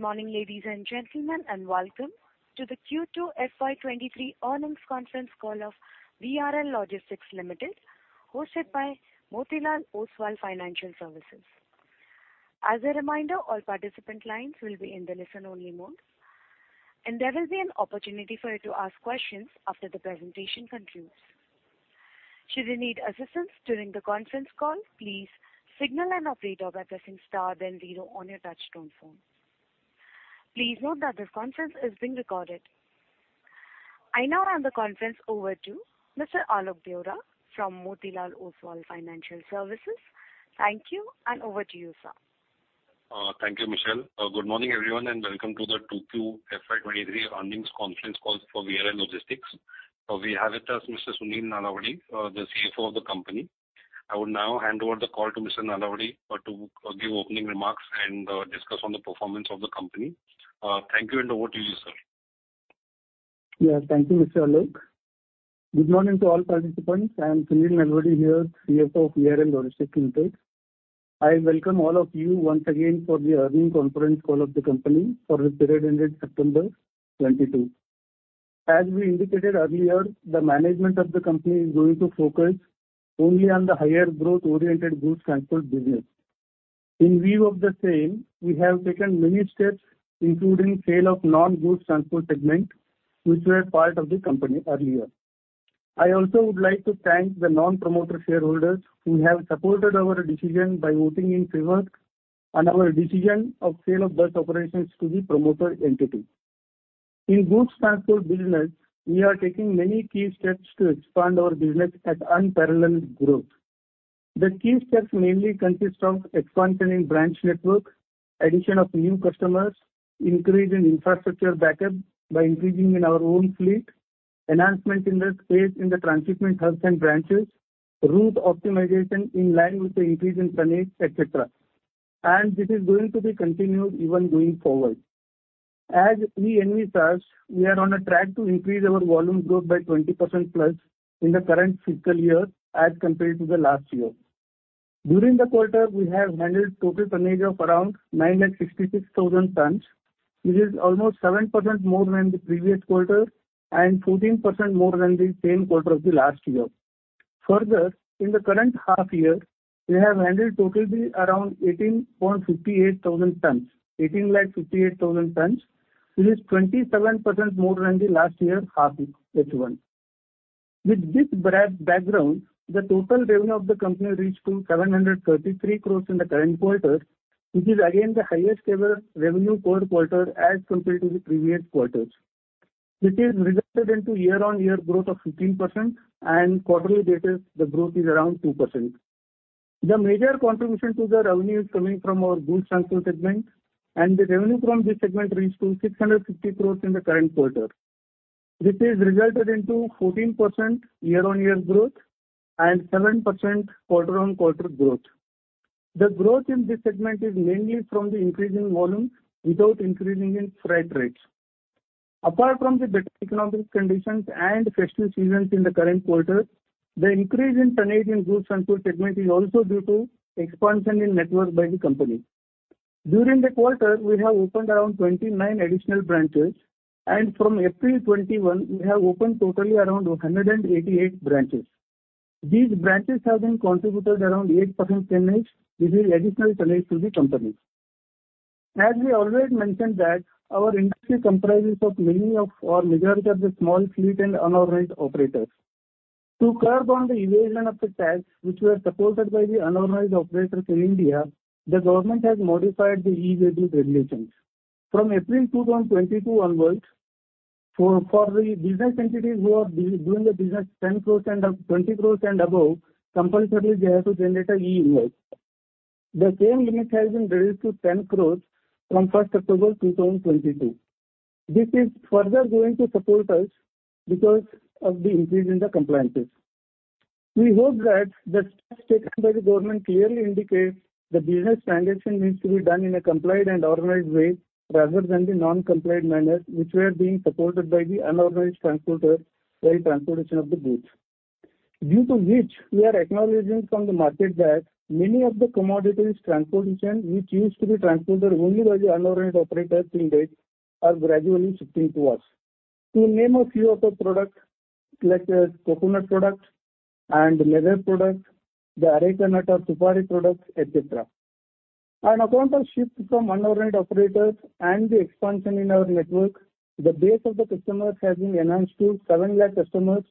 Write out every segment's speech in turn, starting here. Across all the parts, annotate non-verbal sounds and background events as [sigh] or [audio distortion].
Good morning, ladies and gentlemen, and welcome to the Q2 FY 2023 earnings conference call of VRL Logistics Limited, hosted by Motilal Oswal Financial Services. As a reminder, all participant lines will be in the listen-only mode, and there will be an opportunity for you to ask questions after the presentation concludes. Should you need assistance during the conference call, please signal an operator by pressing star then zero on your touchtone phone. Please note that this conference is being recorded. I now hand the conference over to Mr. Alok Deora from Motilal Oswal Financial Services. Thank you, and over to you, sir. Thank you, Michelle. Good morning, everyone, and welcome to the 2Q FY23 earnings conference call for VRL Logistics. We have with us Mr. Sunil Nalavadi, the CFO of the company. I would now hand over the call to Mr. Nalavadi, to give opening remarks and, discuss on the performance of the company. Thank you, and over to you, sir. Yeah. Thank you, Mr. Alok. Good morning to all participants. I am Sunil Nalavadi here, CFO of VRL Logistics Limited. I welcome all of you once again for the earnings conference call of the company for the period ended September 2022. As we indicated earlier, the management of the company is going to focus only on the higher growth-oriented goods transport business. In view of the same, we have taken many steps, including sale of non-goods transport segment, which were part of the company earlier. I also would like to thank the non-promoter shareholders who have supported our decision by voting in favor on our decision of sale of bus operations to the promoter entity. In goods transport business, we are taking many key steps to expand our business at unparalleled growth. The key steps mainly consist of expanding branch network, addition of new customers, increase in infrastructure backup by increasing in our own fleet, enhancement in the space in the transshipment hubs and branches, route optimization in line with the increase in tonnage, et cetera, and this is going to be continued even going forward. As we envisage, we are on a track to increase our volume growth by 20%+ in the current fiscal year as compared to the last year. During the quarter, we have handled total tonnage of around 966,000 tons, which is almost 7% more than the previous quarter and 14% more than the same quarter of the last year. Further, in the current half year, we have handled totally around 18.58 thousand tons, 18 lakh 58 thousand tons, which is 27% more than the last year half H1. With this background, the total revenue of the company reached to 733 crore in the current quarter, which is again the highest ever revenue per quarter as compared to the previous quarters. This is resulted into year-on-year growth of 15%, and quarterly basis, the growth is around 2%. The major contribution to the revenue is coming from our Goods Transport segment, and the revenue from this segment reached to 650 crore in the current quarter. This is resulted into 14% year-on-year growth and 7% quarter-on-quarter growth. The growth in this segment is mainly from the increase in volume without increasing in freight rates. Apart from the better economic conditions and festive seasons in the current quarter, the increase in tonnage in Goods Transport segment is also due to expansion in network by the company. During the quarter, we have opened around 29 additional branches, and from April 2021, we have opened totally around 188 branches. These branches have contributed around 8% tonnage, which is additional tonnage to the company. As we already mentioned that our industry comprises of mainly of or majority of the small fleet and unauthorized operators. To curb on the evasion of the tax, which were supported by the unauthorized operators in India, the government has modified the E-Way Bill regulations. From April 2022 onwards, for the business entities who are doing the business 10 crore and up-- 20 crore and above, compulsorily they have to generate an e-invoice. The same limit has been reduced to 10 crore from October 1, 2022. This is further going to support us because of the increase in the compliance. We hope that the steps taken by the government clearly indicate the business transaction needs to be done in a compliant and organized way, rather than the non-compliant manner, which were being supported by the unauthorized transporters by transportation of the goods. Due to which we are acknowledging from the market that many of the commodities transportation, which used to be transported only by the unauthorized operators till date, are gradually shifting to us. To name a few of the products, such as coconut products and leather products, the areca nut or supari products, etc. On account of shift from unauthorized operators and the expansion in our network, the base of the customers has been enhanced to 700,000 customers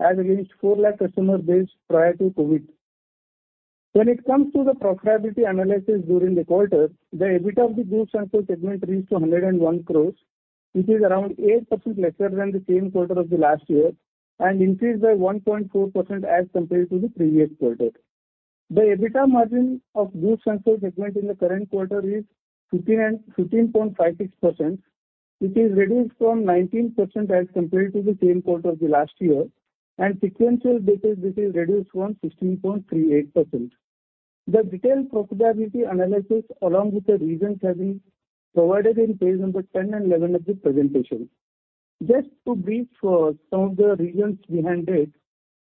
as against 400,000 customer base prior to COVID. When it comes to the profitability analysis during the quarter, the EBITDA of the Goods Transport segment reached 101 crore, which is around 8% lesser than the same quarter of the last year and increased by 1.4% as compared to the previous quarter. The EBITDA margin of Goods Transport segment in the current quarter is 15.56%, which is reduced from 19% as compared to the same quarter of the last year, and sequential basis, this is reduced from 16.38%. The detailed profitability analysis, along with the reasons, have been provided in page number 10 and 11 of the presentation. Just to brief, some of the reasons behind it.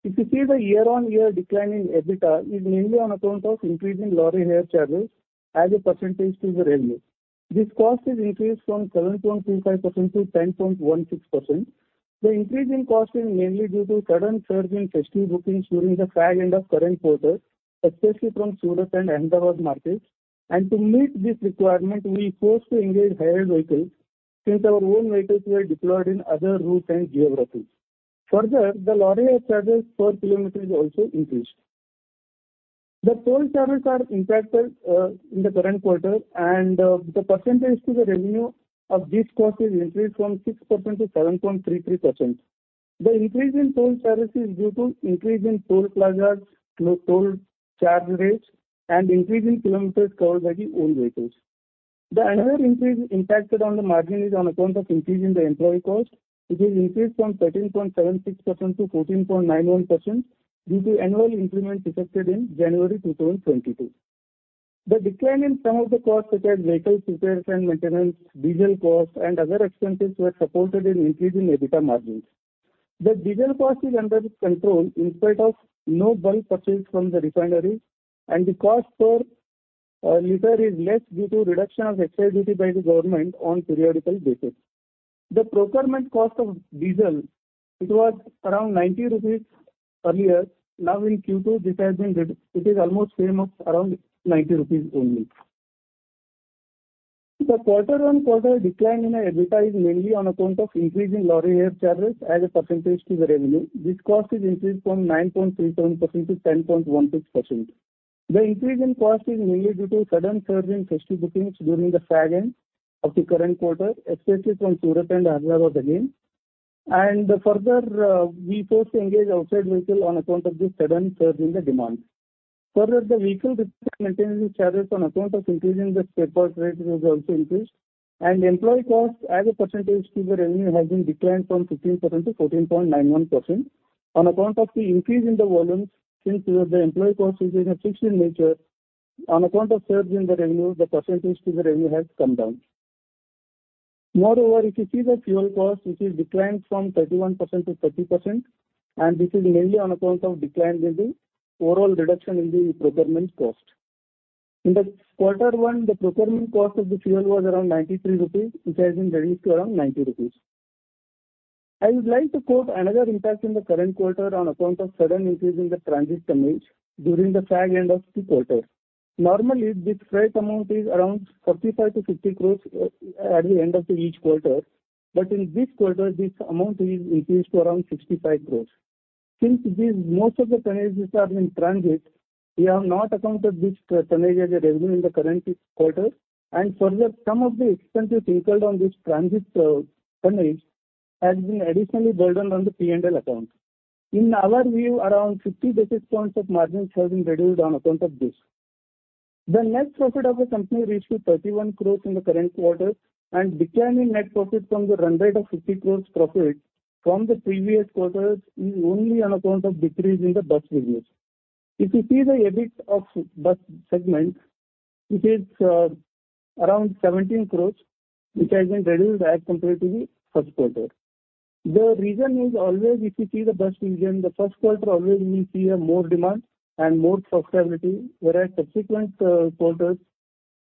If you see the year-on-year decline in EBITDA, is mainly on account of increasing lorry hire charges as a percentage to the revenue. This cost is increased from 7.25%-10.16%. The increase in cost is mainly due to sudden surge in festive bookings during the fag end of current quarter, especially from Surat and Ahmedabad markets. And to meet this requirement, we were forced to engage hired vehicles, since our own vehicles were deployed in other routes and geographies. Further, the lorry charges per kilometer is also increased. The toll charges are impacted in the current quarter, and the percentage to the revenue of this cost is increased from 6%-7.33%. The increase in toll charges is due to increase in toll plazas, to toll charge rates, and increase in kilometers covered by the own vehicles. The another increase impacted on the margin is on account of increase in the employee cost, which has increased from 13.76%-14.91%, due to annual increment effective in January 2022. The decline in some of the costs, such as vehicle repairs and maintenance, diesel costs, and other expenses, were supported in increasing EBITDA margins. The diesel cost is under control in spite of no bulk purchase from the refineries, and the cost per liter is less due to reduction of excise duty by the government on periodical basis. The procurement cost of diesel, it was around 90 rupees earlier. Now, in Q2, this has been it is almost same of around 90 rupees only. The quarter-on-quarter decline in the EBITDA is mainly on account of increasing lorry hire charges as a percentage to the revenue. This cost is increased from 9.37%-10.16%. The increase in cost is mainly due to a sudden surge in festive bookings during the fag end of the current quarter, especially from Surat and Ahmedabad again. And further, we forced to engage outside vehicle on account of this sudden surge in the demand. Further, the vehicle repair and maintenance charges on account of increasing the spare parts rate was also increased, and the employee cost as a percentage to the revenue has been declined from 15%-14.91%. On account of the increase in the volumes, since the employee cost is in a fixed in nature, on account of surge in the revenue, the percentage to the revenue has come down. Moreover, if you see the fuel cost, which is declined from 31%-30%, and this is mainly on account of decline in the overall reduction in the procurement cost. In the quarter one, the procurement cost of the fuel was around 93 rupees, which has been reduced to around 90 rupees. I would like to quote another impact in the current quarter on account of sudden increase in the transit tonnage during the fag end of the quarter. Normally, this freight amount is around 45 crore-50 crore at the end of each quarter, but in this quarter, this amount is increased to around 65 crore. Since this, most of the tonnages are in transit, we have not accounted this tonnage as a revenue in the current quarter, and further, some of the expenses incurred on this transit tonnage has been additionally burdened on the P&L account. In our view, around 50 basis points of margins have been reduced on account of this. The net profit of the company reached to 31 crore in the current quarter, and decline in net profit from the run rate of 50 crore profit from the previous quarters is only on account of decrease in the bus business. If you see the EBIT of bus segment, it is around 17 crore, which has been reduced as compared to the first quarter. The reason is always, if you see the bus region, the first quarter always we see a more demand and more profitability, whereas subsequent quarters,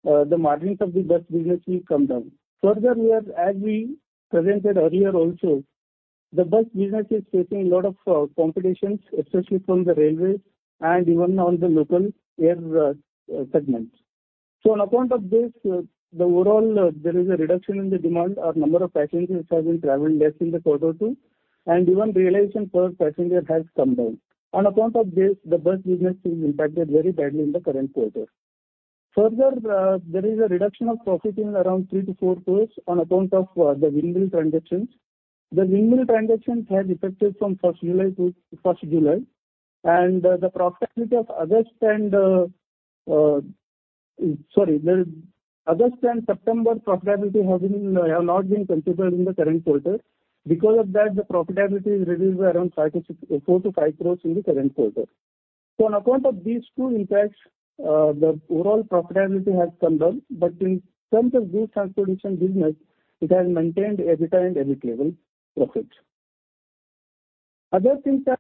the margins of the bus business will come down. Further, we have, as we presented earlier also, the bus business is facing a lot of competitions, especially from the railways and even on the local air segments. So on account of this, the overall, there is a reduction in the demand or number of passengers which have been traveling less in the quarter two, and even realization per passenger has come down. On account of this, the bus business is impacted very badly in the current quarter. Further, there is a reduction of profit in around 3 crore-4 crore on account of the windmill transactions. The windmill transactions have effective from first July to first July, and the profitability of August and the... Sorry, the August and September profitability have been, have not been considered in the current quarter. Because of that, the profitability is reduced by around 5 crore-6 crore, 4 crore-5 crore in the current quarter. On account of these two impacts, the overall profitability has come down, but in terms of goods transportation business, it has maintained EBITDA and EBIT level profit. Other things that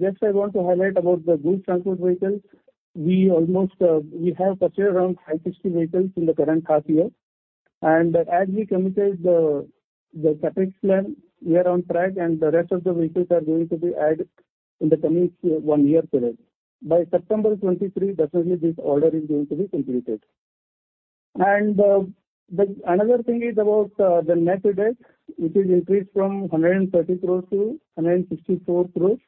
just I want to highlight about the goods transport vehicles, we have purchased around 560 vehicles in the current half year. As we committed the CapEx plan, we are on track, and the rest of the vehicles are going to be added in the coming one year period. By September 2023, definitely this order is going to be completed. The another thing is about the net debt, which is increased from 130 crores to 164 crores,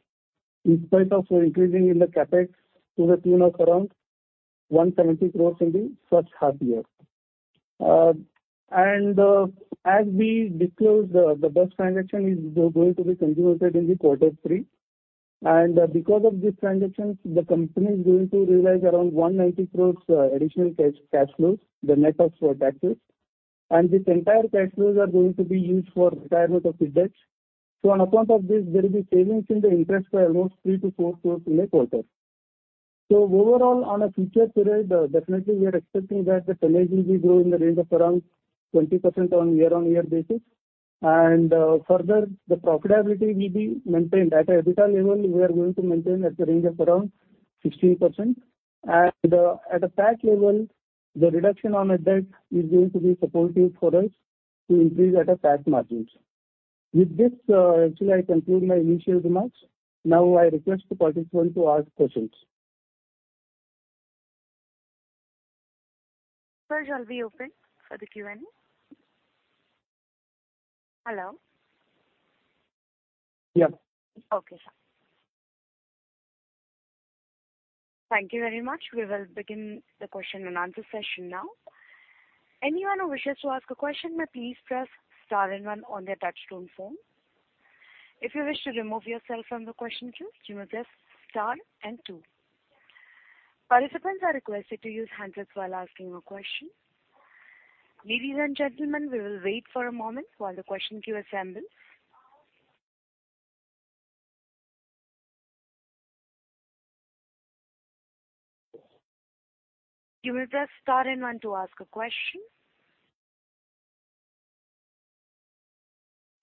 in spite of increasing in the CapEx to the tune of around 170 crores in the first half year. And as we disclosed, the bus transaction is going to be completed in quarter three. And because of this transaction, the company is going to realize around 190 crores additional cash flows, net of taxes. And this entire cash flows are going to be used for retirement of the debts. So on account of this, there will be savings in the interest by almost 3-4 crores in a quarter... So overall, in a future period, definitely we are expecting that the tonnage will be growing in the range of around 20% on year-on-year basis. And further, the profitability will be maintained. At EBITDA level, we are going to maintain at the range of around 16%. At a tax level, the reduction on a debt is going to be supportive for us to increase at the tax margins. With this, actually I conclude my initial remarks. Now I request the participant to ask questions. Sir, shall we open for the Q&A? Hello. Yeah. Okay, sir. Thank you very much. We will begin the question-and-answer session now. Anyone who wishes to ask a question, may please press star and one on their touchtone phone. If you wish to remove yourself from the question queue, you may press star and two. Participants are requested to use handset while asking a question. Ladies and gentlemen, we will wait for a moment while the question queue assembles. You may press star and one to ask a question.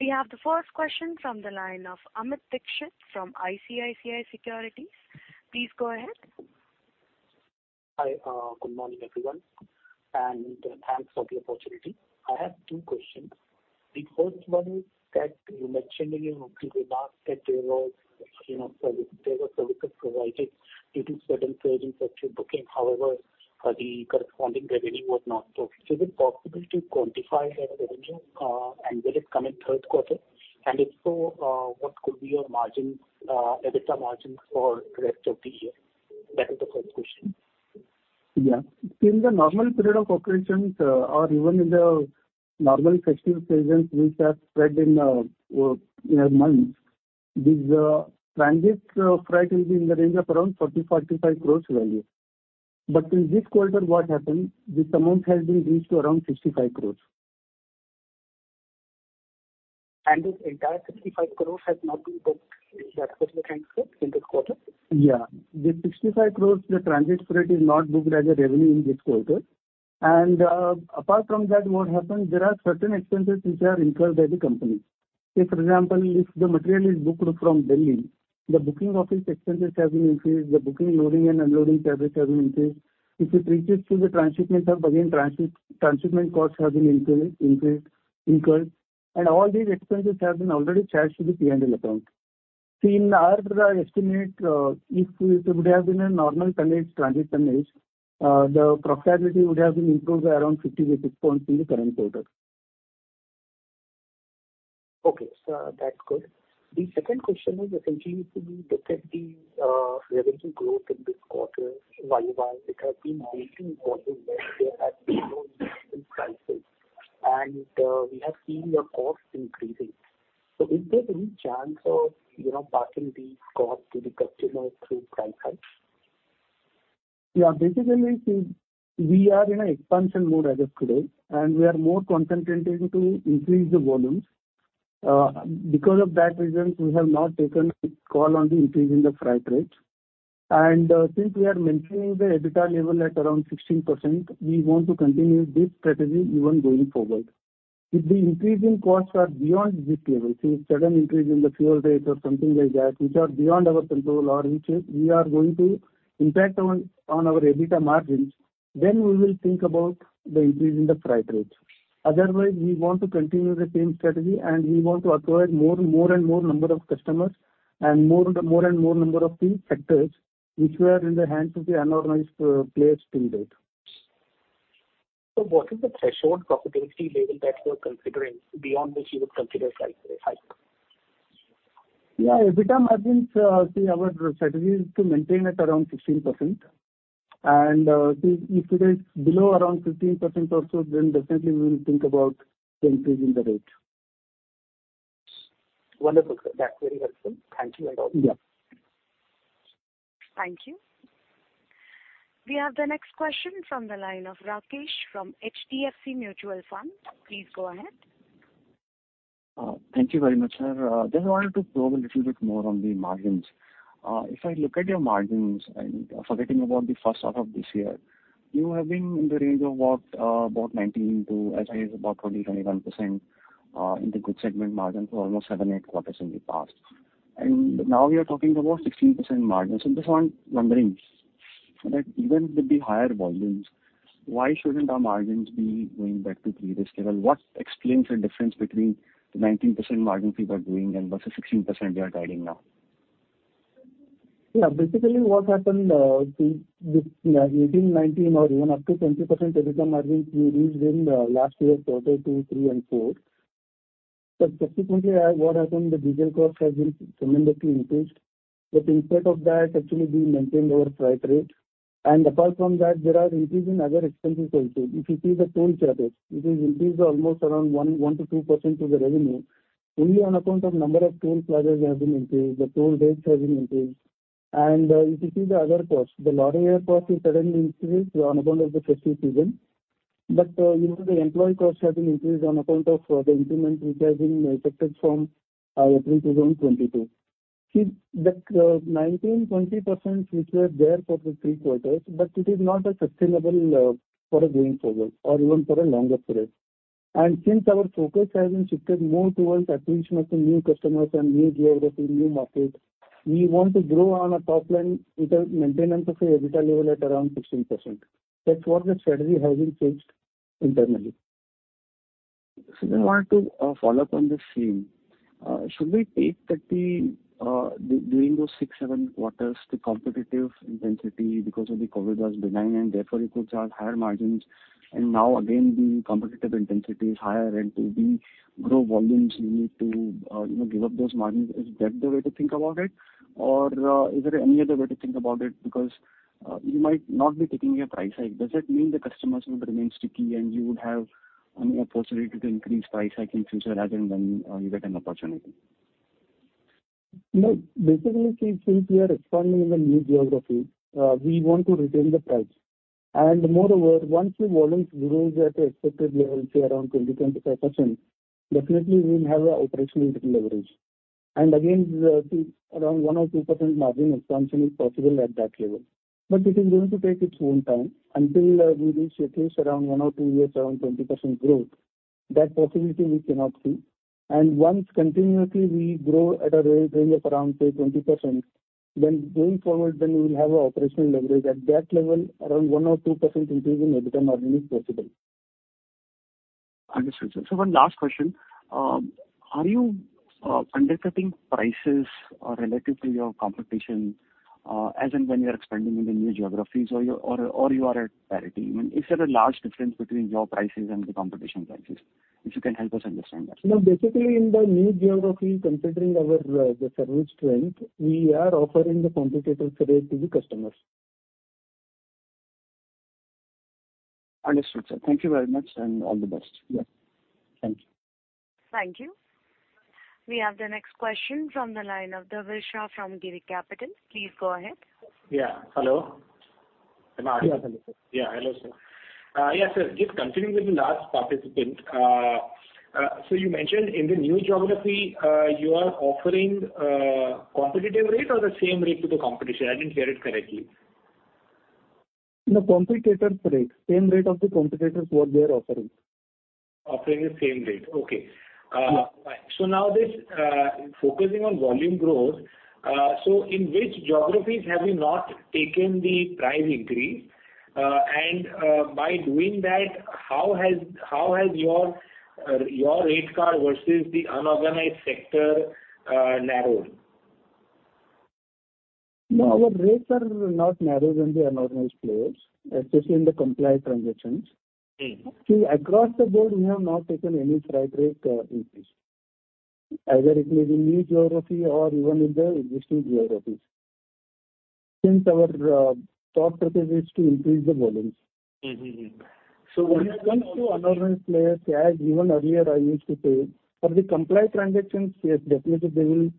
We have the first question from the line of Amit Dixit from ICICI Securities. Please go ahead. Hi, good morning, everyone, and thanks for the opportunity. I have two questions. The first one is that you mentioned in your remarks that there was, you know, service, there were services provided due to certain changes that you're booking. However, the corresponding revenue was not booked. Is it possible to quantify that revenue, and will it come in third quarter? And if so, what could be your margins, EBITDA margins for rest of the year? That is the first question. Yeah. In the normal period of operations, or even in the normal festive seasons, which are spread in, months, this transit freight will be in the range of around 40 crores-45 crores value. But in this quarter, what happened, this amount has been reached to around 55 crores. This entire 55 crore has not been booked in that particular transcript in this quarter? Yeah. The 55 crore, the transit freight is not booked as a revenue in this quarter. Apart from that, what happened, there are certain expenses which are incurred by the company. Say, for example, if the material is booked from Delhi, the booking office expenses have been increased, the booking, loading and unloading charges have been increased. If it reaches to the transshipment hub, again, transit, transshipment costs have been increased, increased, incurred, and all these expenses have been already charged to the P&L account. See, in our, estimate, if it would have been a normal tonnage, transit tonnage, the profitability would have been improved by around 50 basis points in the current quarter. Okay, sir, that's good. The second question is essentially to do with the revenue growth in this quarter, year-over-year, which has been facing quarter where there has been no increase in prices, and we have seen your costs increasing. So is there any chance of, you know, passing these costs to the customer through price hikes? Yeah, basically, see, we are in an expansion mode as of today, and we are more concentrated to increase the volumes. Because of that reason, we have not taken a call on the increase in the freight rates. And since we are maintaining the EBITDA level at around 16%, we want to continue this strategy even going forward. If the increase in costs are beyond this level, say, sudden increase in the fuel rates or something like that, which are beyond our control or which we are going to impact on, on our EBITDA margins, then we will think about the increase in the freight rates. Otherwise, we want to continue the same strategy, and we want to acquire more, more and more number of customers and more and more and more number of the sectors which were in the hands of the organized, players till date. What is the threshold profitability level that you are considering, beyond which you would consider price hike? Yeah, EBITDA margins, see, our strategy is to maintain at around 16%. And, see, if it is below around 15% or so, then definitely we will think about the increase in the rate. Wonderful, sir. That's very helpful. Thank you all. Yeah. Thank you. We have the next question from the line of Rakesh from HDFC Mutual Fund. Please go ahead. Thank you very much, sir. Just wanted to probe a little bit more on the margins. If I look at your margins, and forgetting about the first half of this year, you have been in the range of what? About 19% to as high as about 20%-21%, in the Goods segment margin for almost seven to eight quarters in the past. And now we are talking about 16% margin. So I'm just wondering, that even with the higher volumes, why shouldn't our margins be going back to previous level? What explains the difference between the 19% margin we were doing and versus 16% we are guiding now? Yeah, basically what happened, see, this 18, 19 or even up to 20% EBITDA margins we reached in the last year, quarter two, three, and four. But subsequently, what happened, the diesel cost has been tremendously increased. But instead of that, actually, we maintained our freight rate. And apart from that, there are increase in other expenses also. If you see the toll charges, it is increased almost around 1%-2% to the revenue, only on account of number of toll plazas has been increased, the toll rates has increased. And, if you see the other costs, the lorry cost is suddenly increased on account of the festive season. But, you know, the employee costs have been increased on account of, the increment which has been affected from, April 2022. See, that 19%-20% which were there for the three quarters, but it is not a sustainable for a going forward or even for a longer period. Since our focus has been shifted more towards acquisition of the new customers and new geography, new market, we want to grow on a top line with a maintenance of a EBITDA level at around 16%. That's what the strategy has been changed internally. So then I want to follow up on the same. Should we take that during those six to seven quarters, the competitive intensity because of the COVID was benign, and therefore you could charge higher margins, and now again, the competitive intensity is higher, and to grow volumes, you need to, you know, give up those margins? Is that the way to think about it? Or is there any other way to think about it? Because you might not be taking a price hike. Does that mean the customers will remain sticky and you would have, I mean, a possibility to increase price hike in future as and when you get an opportunity? No. Basically, see, since we are expanding in the new geography, we want to retain the price. And moreover, once the volumes grows at the expected level, say, around 20%-25%, definitely we will have a operational leverage. And again, see, around 1% or 2% margin expansion is possible at that level. But it is going to take its own time. Until we reach at least around one or two years, around 20% growth, that possibility we cannot see. And once continuously we grow at a rate range of around, say, 20%, then going forward, then we will have a operational leverage. At that level, around 1% or 2% increase in EBITDA margin is possible. Understood, sir. So one last question. Are you undercutting prices relative to your competition as and when you are expanding in the new geographies, or you are at parity? I mean, is there a large difference between your prices and the competition prices? If you can help us understand that. No, basically, in the new geography, considering our service strength, we are offering the competitive rate to the customers. Understood, sir. Thank you very much, and all the best. Yeah. Thank you. Thank you. We have the next question from the line of Dhaval Shah from Girik Capital. Please go ahead. Yeah. Hello? Am I- Yeah, hello, sir. Yeah, hello, sir. Yes, sir, just continuing with the last participant. So you mentioned in the new geography, you are offering competitive rate or the same rate to the competition? I didn't hear it correctly. No, competitor rate. Same rate of the competitors what they are offering. Offering the same rate. Okay. Yeah. Fine. So now this, focusing on volume growth, so in which geographies have you not taken the price increase? And, by doing that, how has, how has your, your rate card versus the unorganized sector, narrowed? No, our rates are not narrower than the unorganized players, especially in the compliant transactions. Mm. See, across the board, we have not taken any price rate increase, either it is in new geography or even in the existing geographies, since our top strategy is to increase the volumes. Mm-hmm. So when it comes to unorganized players, as even earlier I used to say, for the compliant transactions, yes, definitely they will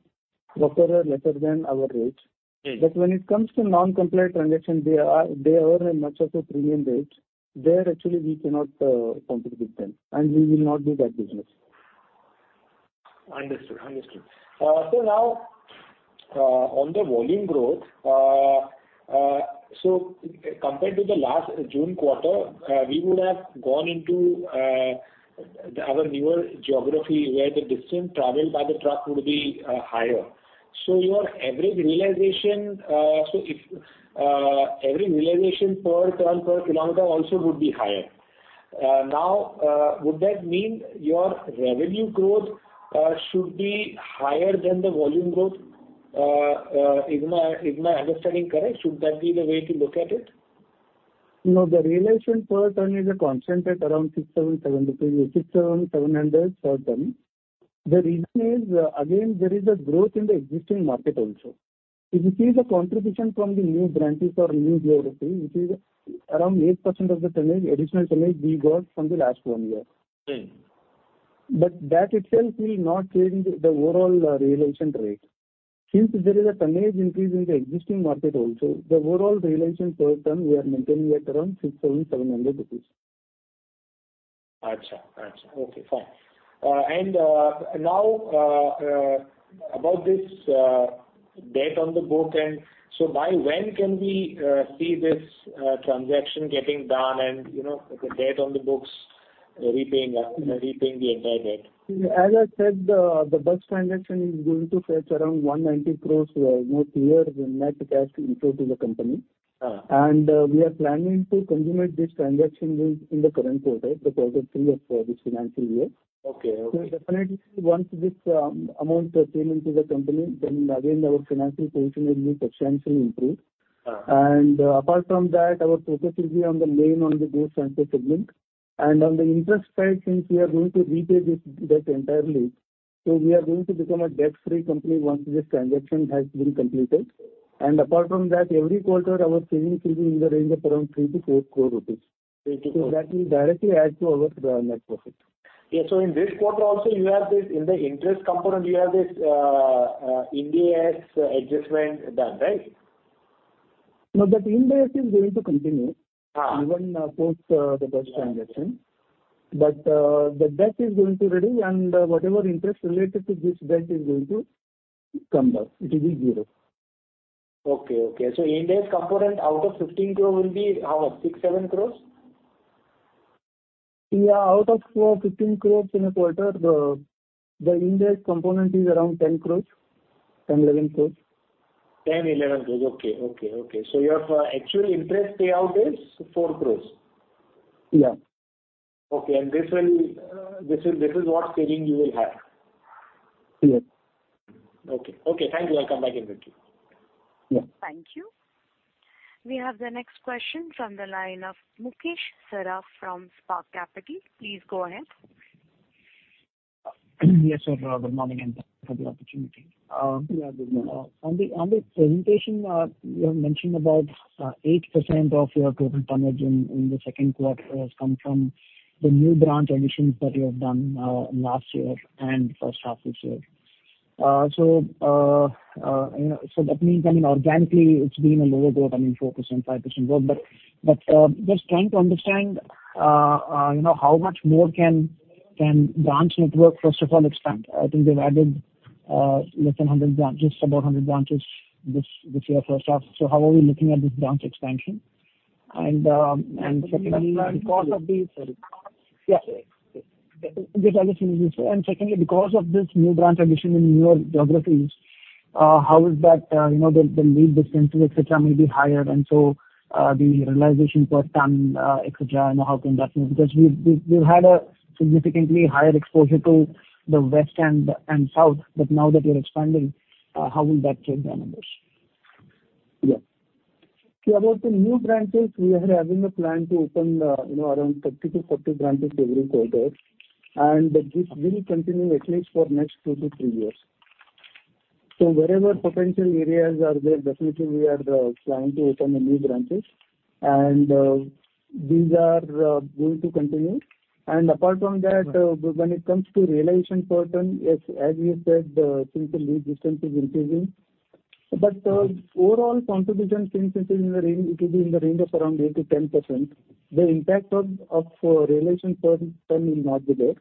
offer a lesser than our rates. Mm. But when it comes to non-compliant transactions, they are, they earn a much of a premium rate. There, actually, we cannot compete with them, and we will not do that business. Understood. Understood. So now, on the volume growth, so compared to the last June quarter, we would have gone into our newer geography, where the distance traveled by the truck would be higher. So your average realization, so if average realization per ton, per kilometer also would be higher. Now, would that mean your revenue growth should be higher than the volume growth? Is my, is my understanding correct? Should that be the way to look at it? No, the realization per ton is a constant at around INR 6,700, 6,700 per ton. The reason is, again, there is a growth in the existing market also. If you see the contribution from the new branches or new geography, which is around 8% of the tonnage, additional tonnage we got from the last one year. Mm. But that itself will not change the overall realization rate. Since there is a tonnage increase in the existing market also, the overall realization per ton we are maintaining at around 6,700. Got you. Got you. Okay, fine. And now about this debt on the book, and so by when can we see this transaction getting done and, you know, the debt on the books, repaying, repaying the entire debt? As I said, the bus transaction is going to fetch around 190 crores, more clear net cash inflow to the company. Uh. We are planning to consummate this transaction within the current quarter, quarter three of this financial year. Okay, okay. So definitely, once this amount came into the company, then again, our financial position will be substantially improved. Uh. Apart from that, our focus will be on the main, on the goods financial segment. On the interest side, since we are going to repay this debt entirely, so we are going to become a debt-free company once this transaction has been completed. Apart from that, every quarter, our savings will be in the range of around 3 crore-4 crore rupees. 3-4- That will directly add to our net profit. Yeah, so in this quarter also, you have this, in the interest component, you have this, Ind AS adjustment done, right?... No, that interest is going to continue- Uh. Even post the debt transaction. But the debt is going to reduce, and whatever interest related to this debt is going to come back. It is zero. Okay, okay. So interest component out of 15 crore will be how much? 6 crores-7 crores? Yeah, out of 15 crores in a quarter, the interest component is around 10 crores-11 crores. 10 crore-11 crore. Okay, okay, okay. So your actual interest payout is 4 crores? Yeah. Okay. And this will, this will, this is what saving you will have? Yes. Okay. Okay, thank you. I'll come back in with you. Yeah. Thank you. We have the next question from the line of Mukesh Saraf from Spark Capital. Please go ahead. Yes, sir, good morning, and thanks for the opportunity. Yeah, good morning. On the presentation, you have mentioned about 8% of your total tonnage in the second quarter has come from the new branch additions that you have done last year and first half this year. So that means, I mean, organically, it's been a lower growth, I mean, 4%, 5% growth. But just trying to understand, you know, how much more can branch network, first of all, expand? I think you've added less than 100 branches, about 100 branches this year, first half. So how are we looking at this branch expansion? And secondly, because of the... Sorry. Yeah. And secondly, because of this new branch addition in newer geographies, how is that, you know, the lead distances, et cetera, may be higher, and so, the realization per ton, et cetera, and how can that be? Because we've had a significantly higher exposure to the west and south, but now that you're expanding, how will that change the numbers? Yeah. So about the new branches, we are having a plan to open, you know, around 30-40 branches every quarter, and this will continue at least for next two to three years. So wherever potential areas are there, definitely we are planning to open the new branches, and these are going to continue. And apart from that, when it comes to realization per ton, as we said, since the lead distance is increasing. But overall contribution since it is in the range, it will be in the range of around 8%-10%. The impact of realization per ton will not be there.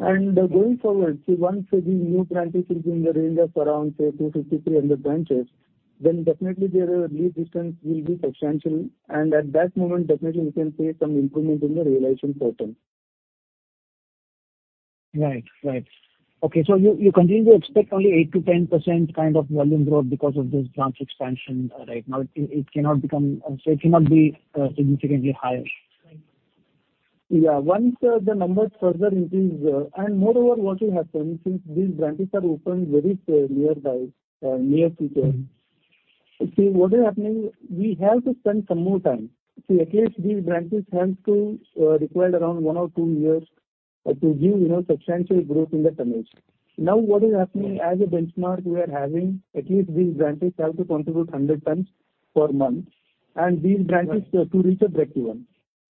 Going forward, see, once these new branches is in the range of around, say, 250-300 branches, then definitely their lead distance will be substantial, and at that moment, definitely we can see some improvement in the realization per ton. Right. Right. Okay, so you, you continue to expect only 8%-10% kind of volume growth because of this branch expansion right now? It, it cannot become, so it cannot be significantly higher, right? Yeah. Once the numbers further increase. And moreover, what will happen, since these branches are opened very nearby, near cities. See, what is happening, we have to spend some more time. See, at least these branches have to required around one or two years to give, you know, substantial growth in the tonnage. Now, what is happening, as a benchmark, we are having at least these branches have to contribute 100 tons per month, and these branches to reach a breakeven.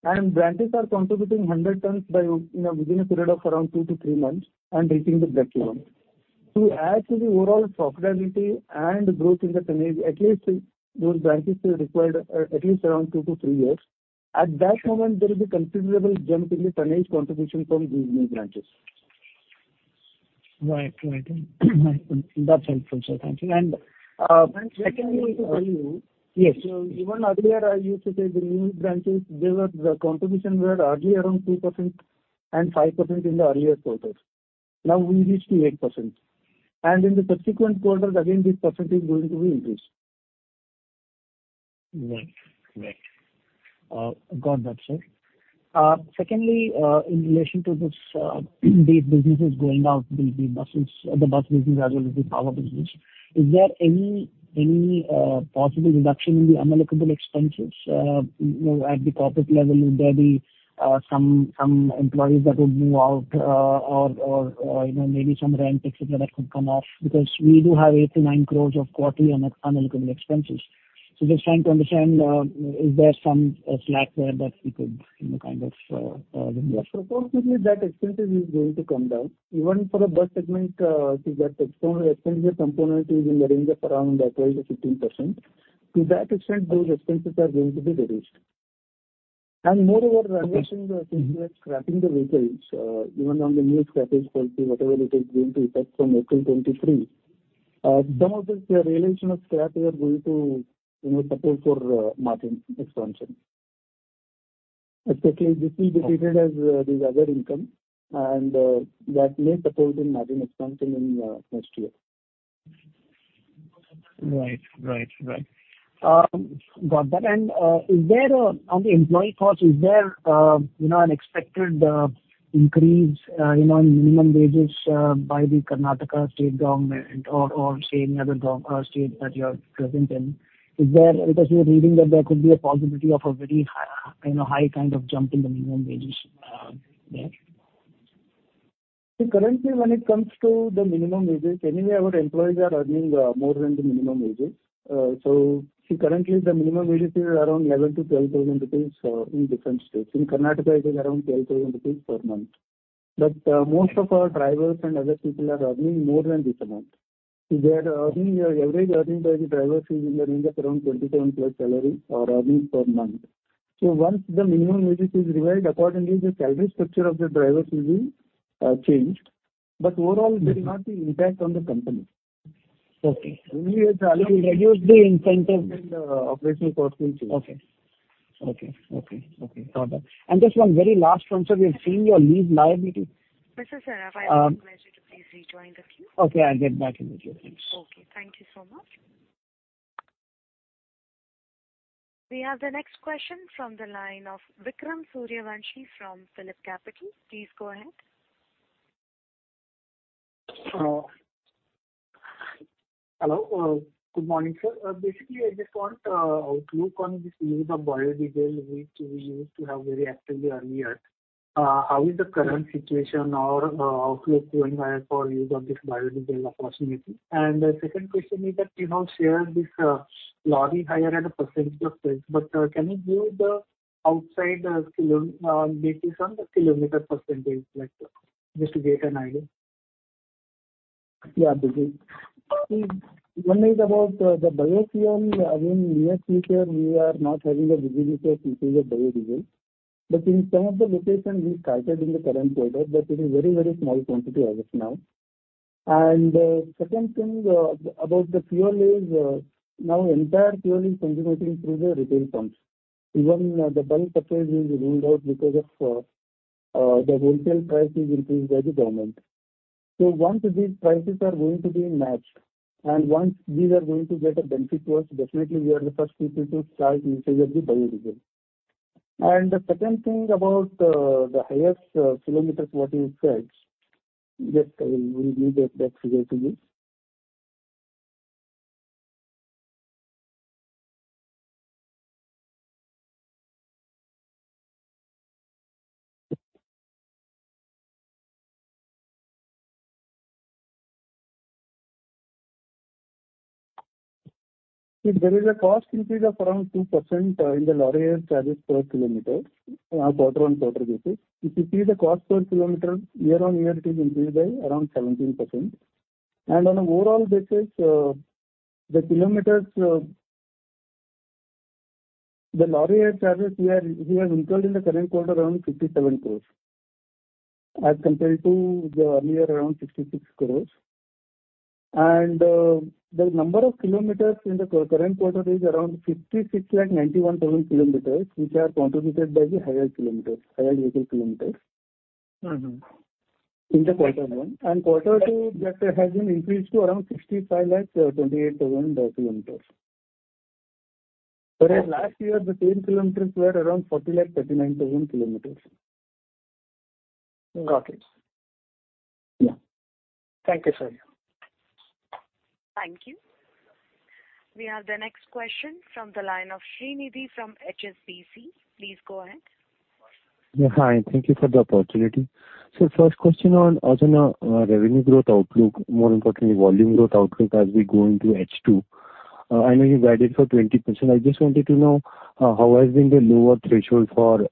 Branches are contributing 100 tons by, you know, within a period of around two to three months and reaching the breakeven. To add to the overall profitability and growth in the tonnage, at least those branches are required at least around two to three years. At that moment, there will be considerable jump in the tonnage contribution from these new branches. Right. Right. That's helpful, sir. Thank you. And, Secondly, I will tell you- Yes. Even earlier, I used to say the new branches, they were, the contribution were hardly around 2% and 5% in the earlier quarters. Now we reached to 8%, and in the subsequent quarters, again, this percentage is going to increase. Right. Right. Got that, sir. Secondly, in relation to this, these businesses going out, the buses, the bus business as well as the power business, is there any possible reduction in the unallocated expenses? You know, at the corporate level, would there be some employees that would move out, or you know, maybe some rent, et cetera, that could come off? Because we do have 8 crore-9 crore of quarterly unallocated expenses. So just trying to understand, is there some slack there that we could, you know, kind of, reduce? Supposedly, that expenses is going to come down. Even for the bus segment, see that expense, expenses component is in the range of around 12%-15%. To that extent, those expenses are going to be reduced. And moreover- Okay. Scrapping the vehicles, even on the new scrapping policy, whatever it is going to affect from April 2023, some of the realization of scrap are going to, you know, support for, margin expansion. Especially this will be treated as, this other income, and, that may support the margin expansion in, next year. Right. Right. Right. Got that. And, is there, on the employee cost, is there, you know, an expected increase, you know, in minimum wages, by the Karnataka State Government or, or say, any other gov, state that you are present in? Is there... Because we were reading that there could be a possibility of a very high, you know, high kind of jump in the minimum wages, there. See, currently, when it comes to the minimum wages, anyway, our employees are earning more than the minimum wages. So see, currently the minimum wages is around 11,000-12,000 rupees in different states. In Karnataka, it is around 12,000 rupees per month. But most of our drivers and other people are earning more than this amount. They are earning; your average earning by the drivers is in the range of around 27+ salary or earnings per month. So once the minimum wages is revised, accordingly, the salary structure of the drivers will be changed, but overall there is not the impact on the company. Okay. Only it will reduce the incentive and operational costs will change. Okay. Okay, okay, okay. Got that. Just one very last one, sir. We have seen your lease liability. Sir, I will ask you to please rejoin the queue. Okay, I'll get back into the queue. Thanks. Okay, thank you so much. We have the next question from the line of Vikram Suryavanshi from PhillipCapital. Please go ahead. Hello, good morning, sir. Basically, I just want outlook on this use of Biodiesel, which we used to have very actively earlier. How is the current situation or outlook going ahead for use of this Biodiesel opportunity? And the second question is that, you know, share this lorry hire at a percentage of sales, but can you give the outside the kilo basis on the kilometer percentage, like, just to get an idea? Yeah, definitely. One is about the biodiesel. I mean, near future, we are not having a business of diesel biodiesel. But in some of the locations we started in the current quarter, but it is very, very small quantity as of now. And second thing about the fuel is now entire fuel is consuming through the retail pumps. Even the bulk purchase is ruled out because of the wholesale price is increased by the government. So once these prices are going to be matched, and once these are going to get a benefit to us, definitely we are the first people to start using of the biodiesel. And the second thing about the highest kilometers, what you said, yes, we'll give that figure to you. If there is a cost increase of around 2% in the lorry charges per kilometer, quarter-on-quarter basis, if you see the cost per kilometer, year-on-year it is increased by around 17%. On an overall basis, the kilometers, the lorry charges we are, we have incurred in the current quarter around 57 crore, as compared to the earlier, around 66 crore. The number of kilometers in the current quarter is around 5,691,000 km, which are contributed by the higher kilometers, higher vehicle kilometers. Mm-hmm. In the quarter one and quarter two, that has been increased to around 6,528,000 km. Whereas last year, the same kilometers were around 4,039,000 km. Got it. Yeah. Thank you, sir. Thank you. We have the next question from the line of Srinidhi from HSBC. Please go ahead. Yeah, hi, and thank you for the opportunity. First question on the, revenue growth outlook, more importantly, volume growth outlook as we go into H2. I know you guided for 20%. I just wanted to know, how has been the lower threshold for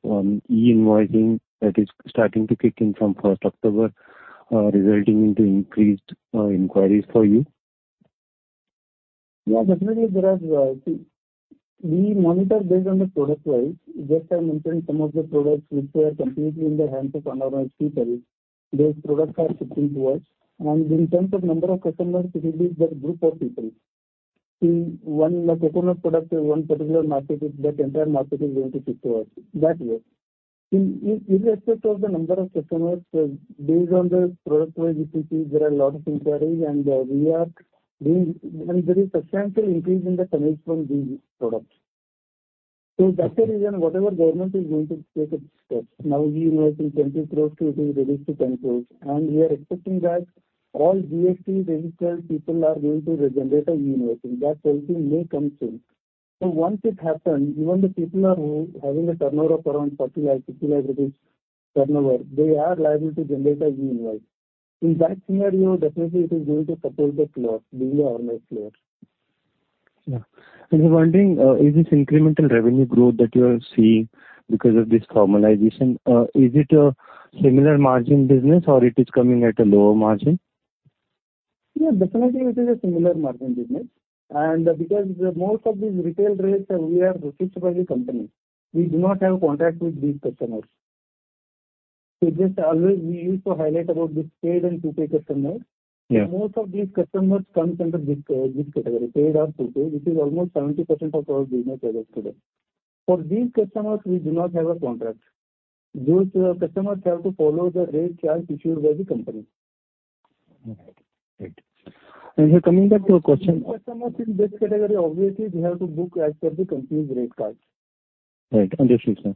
e-invoicing that is starting to kick in from October 1st, resulting into increased inquiries for you? Yeah, definitely there are, we monitor based on the product line. Just I mentioned some of the products which were completely in the hands of unorganized people. These products are shifting to us. And in terms of number of customers, it will be just group of people. In one, like, a corner product in one particular market, is that entire market is going to shift to us, that way. In, in, irrespective of the number of customers, based on the product-wise PPC, there are a lot of inquiries, and, we are doing, and there is substantial increase in the commitment to these products. So that's the reason whatever government is going to take its steps. Now, e-invoicing, 20 crore to it is released to 10 crore, and we are expecting that all GST-registered people are going to generate an e-invoicing. That something may come soon. So once it happens, even the people who are having a turnover of around 40 lakh-50 lakh rupees turnover, they are liable to generate an e-invoice. In that scenario, definitely it is going to support the flow, the online flow. Yeah. And I'm wondering, is this incremental revenue growth that you are seeing because of this formalization, is it a similar margin business or it is coming at a lower margin? Yeah, definitely it is a similar margin business. Because the most of these retail rates we are fixed by the company, we do not have contract with these customers. Just always we used to highlight about this paid and to-pay customers. Yeah. Most of these customers comes under this, this category, paid or to-pay, which is almost 70% of our business as of today. For these customers, we do not have a contract. Those, customers have to follow the rate charge issued by the company. Okay, great. And coming back to your question- Customers in this category, obviously, they have to book as per the company's rate card. Right. Understood, sir.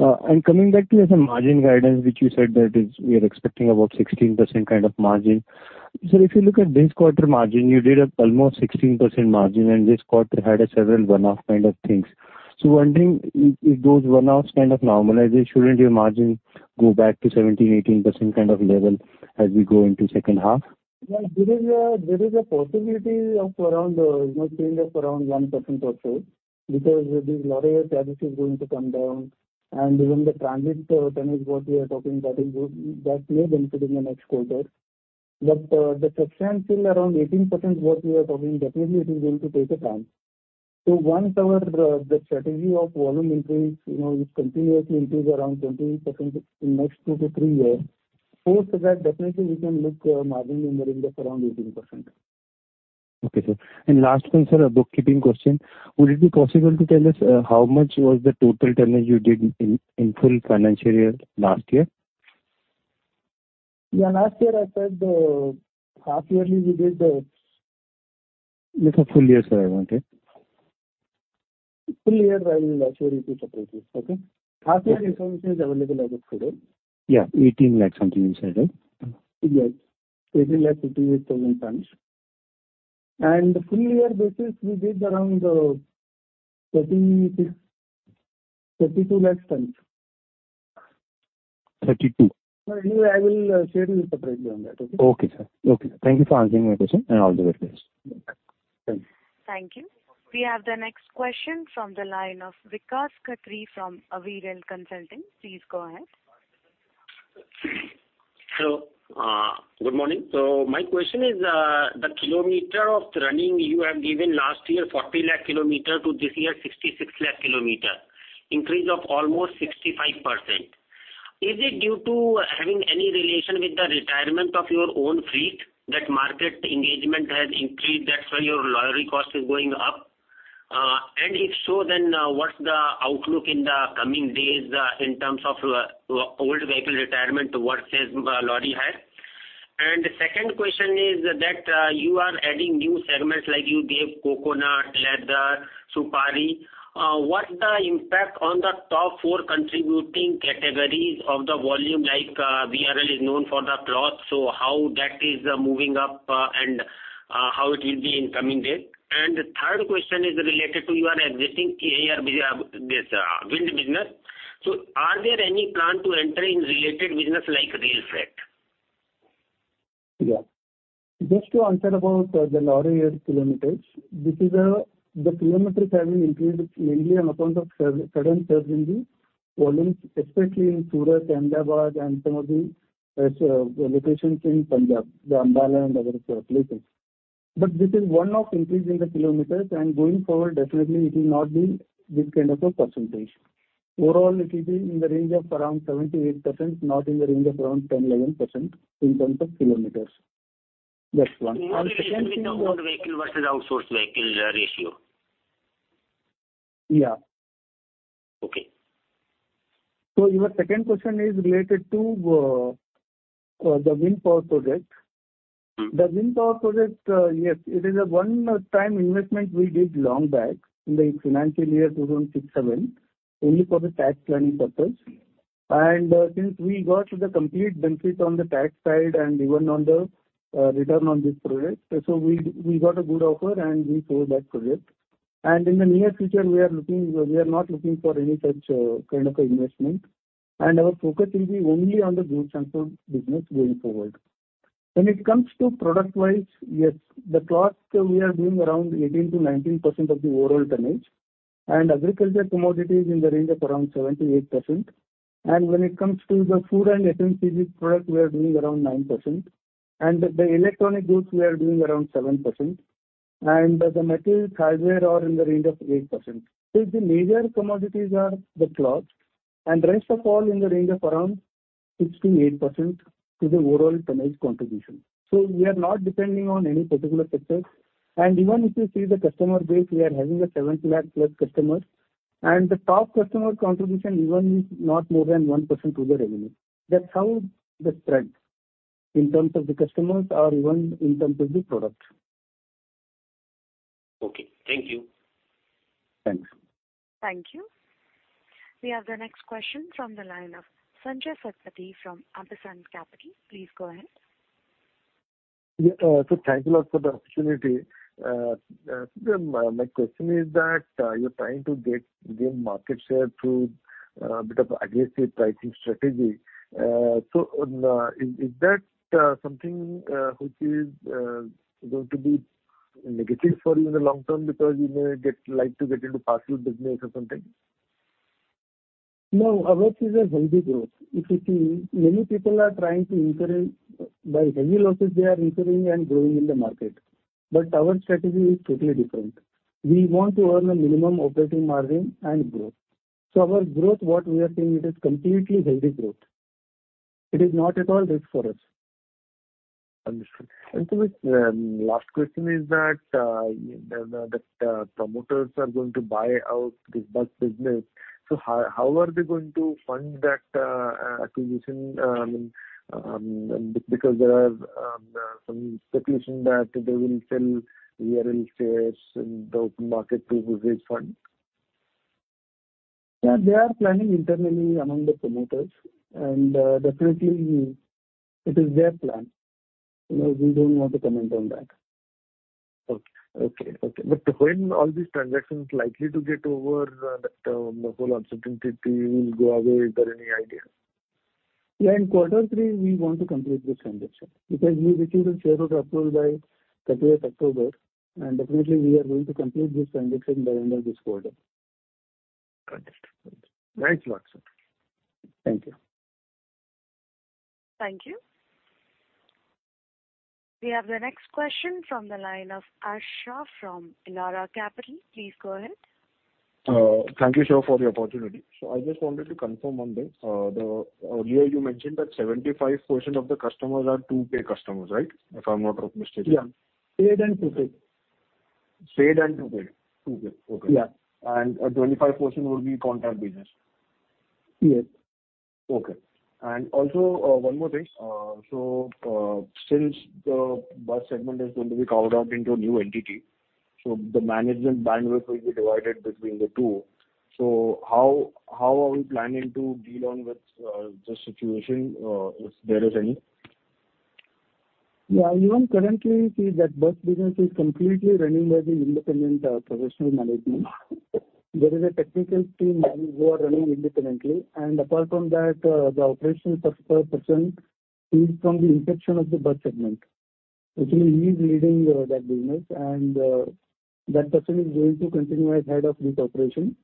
And coming back to the margin guidance, which you said that is, we are expecting about 16% kind of margin. So if you look at this quarter margin, you did up almost 16% margin, and this quarter had a several one-off kind of things. So wondering if, if those one-offs kind of normalize, shouldn't your margin go back to 17%-18% kind of level as we go into second half? Yeah, there is a possibility of around 1% or so, because this lorry charges is going to come down, and even the transit tonnage, what we are talking, that may improve in the next quarter. But the section still around 18% what we are talking, definitely it is going to take a time. So once our strategy of volume increase, you know, it continuously increase around 28% in the next two to three years, post that, definitely we can look, margin in the range of around 18%. Okay, sir. And last one, sir, a bookkeeping question: Would it be possible to tell us how much was the total tonnage you did in full financial year, last year? Yeah, last year, I said, half yearly we did- No, the full year, sir, I wanted. Full year, I will actually separate this, okay? Half year information is available as of today. Yeah, 18 lakh something you said, right? Yes. 1,858,000 tons. Full year basis, we did around 3,632,000 tons. 32? Anyway, I will certainly separate you on that, okay? Okay, sir. Okay. Thank you for answering my question, and all the best. Thank you. Thank you. We have the next question from the line of Vikas Khatri from Aviral Consulting. Please go ahead. Hello, good morning. So my question is, the kilometer of running you have given last year, 40 lakh kilometer, to this year, 66 lakh kilometer, increase of almost 65%. Is it due to having any relation with the retirement of your own fleet, that market engagement has increased, that's why your lorry cost is going up? And if so, then, what's the outlook in the coming days, in terms of, old vehicle retirement versus, lorry hire? And the second question is that, you are adding new segments like you gave coconut, leather, supari. What's the impact on the top four contributing categories of the volume like, VRL is known for the cloth, so how that is, moving up, and, how it will be in coming days? The third question is related to your existing [KAR] wind business. So are there any plan to enter in related business like rail freight? Yeah. Just to answer about the lorry hire kilometers, this is the kilometers have been increased mainly on account of sudden surge in the volumes, especially in Surat, Ahmedabad, and some of the locations in Punjab, the Ambala and other places. But this is one of increasing the kilometers, and going forward, definitely it will not be this kind of a percentage. Overall, it will be in the range of around 7%-8%, not in the range of around 10%-11% in terms of kilometers. That's one. How it is with the own vehicle versus outsourced vehicle ratio? Yeah. Okay. Your second question is related to the wind power project. Mm-hmm. The wind power project, yes, it is a one-time investment we did long back in the financial year 2006-2007, only for the tax planning purpose. And, since we got the complete benefit on the tax side and even on the, return on this project, so we, we got a good offer, and we sold that project. And in the near future, we are looking... We are not looking for any such, kind of investment, and our focus will be only on the goods transport business going forward. When it comes to product-wise, yes, the cloth, we are doing around 18%-19% of the overall tonnage, and agriculture commodity is in the range of around 7%-8%. When it comes to the food and FMCG product, we are doing around 9%, and the electronic goods, we are doing around 7%, and the materials, hardware, are in the range of 8%. The major commodities are the cloth, and rest of all in the range of around 6%-8% to the overall tonnage contribution. We are not depending on any particular sector. Even if you see the customer base, we are having 700,000+ customers, and the top customer contribution even is not more than 1% to the revenue. That's how the spread in terms of the customers or even in terms of the product. Okay, thank you. Thanks. Thank you. We have the next question from the line of Sanjaya Satapathy from Ampersand Capital. Please go ahead. Yeah, so thank you a lot for the opportunity. My question is that you're trying to get gain market share through bit of aggressive pricing strategy. So, is that something which is going to be negative for you in the long term because you may get, like to get into partial business or something? No, ours is a healthy growth. If you see, many people are trying to increase, by heavy losses they are incurring and growing in the market. But our strategy is totally different. We want to earn a minimum operating margin and growth. So our growth, what we are seeing, it is completely healthy growth. It is not at all risk for us. Understood. And so, last question is that the promoters are going to buy out this bus business. So how are they going to fund that acquisition? I mean, because there are some speculation that they will sell VRL shares in the open market to raise funds. Yeah, they are planning internally among the promoters, and definitely it is their plan. You know, we don't want to comment on that. Okay. Okay, but when all these transactions likely to get over, that, the whole uncertainty will go away, is there any idea? Yeah, in quarter three, we want to complete this transaction, because we received the shareholder approval by October 30, and definitely we are going to complete this transaction by the end of this quarter. Got it. Thank you, sir. Thank you. Thank you. We have the next question from the line of Ash Shah from Elara Capital. Please go ahead. Thank you, sir, for the opportunity. So I just wanted to confirm one thing. Earlier you mentioned that 75% of the customers are to-pay customers, right? If I'm not mistaken. Yeah. Paid and to-pay. Paid and to-pay. To-pay, okay. Yeah. 25% will be contract business? Yes. Okay. And also, one more thing. So, since the bus segment is going to be carved out into a new entity, so the management bandwidth will be divided between the two. So how, how are we planning to deal on with, the situation, if there is any? Yeah, even currently, see, that bus business is completely running as an independent, professional management. There is a technical team who are running independently, and apart from that, the operations person is from the inception of the bus segment. Actually, he's leading that business, and that person is going to continue as head of this operation.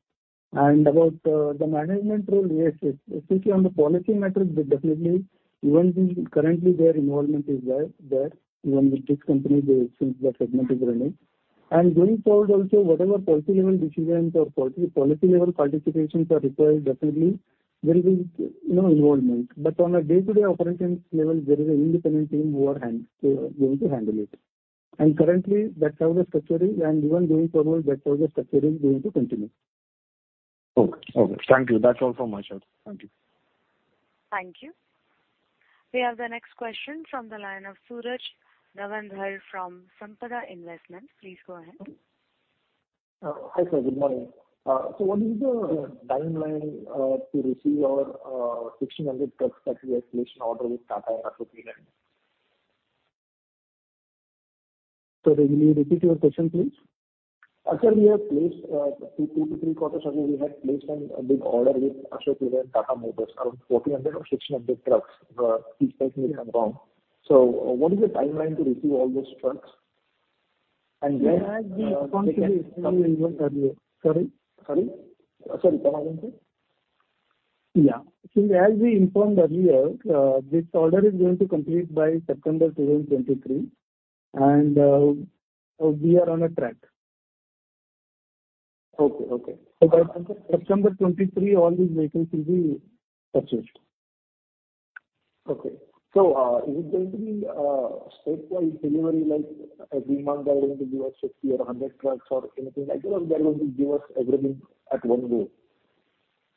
And about the management role, yes, yes, especially on the policy matters, they definitely, currently, their involvement is there. Even with this company, they, since that segment is running. And going forward also, whatever policy level decisions or policy, policy level participations are required, definitely there will be, you know, involvement. But on a day-to-day operations level, there is an independent team who are going to handle it. Currently, that's how the structure is, and even going forward, that's how the structure is going to continue. Okay. Okay, thank you. That's all from my side. Thank you. Thank you. We have the next question from the line of Suraj Nawandhar from Sampada Investments. Please go ahead. Hi, sir, good morning. So what is the timeline to receive your 1600 trucks that we have placed an order with Tata and Ashok Leyland? Sir, can you repeat your question, please? Sir, we have placed two to three quarters ago, we had placed a big order with Ashok Leyland and Tata Motors, around 1,400 or 1,600 trucks, if I may recall. So what is the timeline to receive all those trucks? And when [audio distortion] Sorry? Sorry. Sorry, come again, please. Yeah. So as we informed earlier, this order is going to complete by September 2023, and we are on a track. Okay, okay. By September 2023, all these vehicles will be purchased. Okay. So, is it going to be, statewide delivery, like, every month they are going to give us 50 or 100 trucks or anything? Like, they're going to give us everything at one go.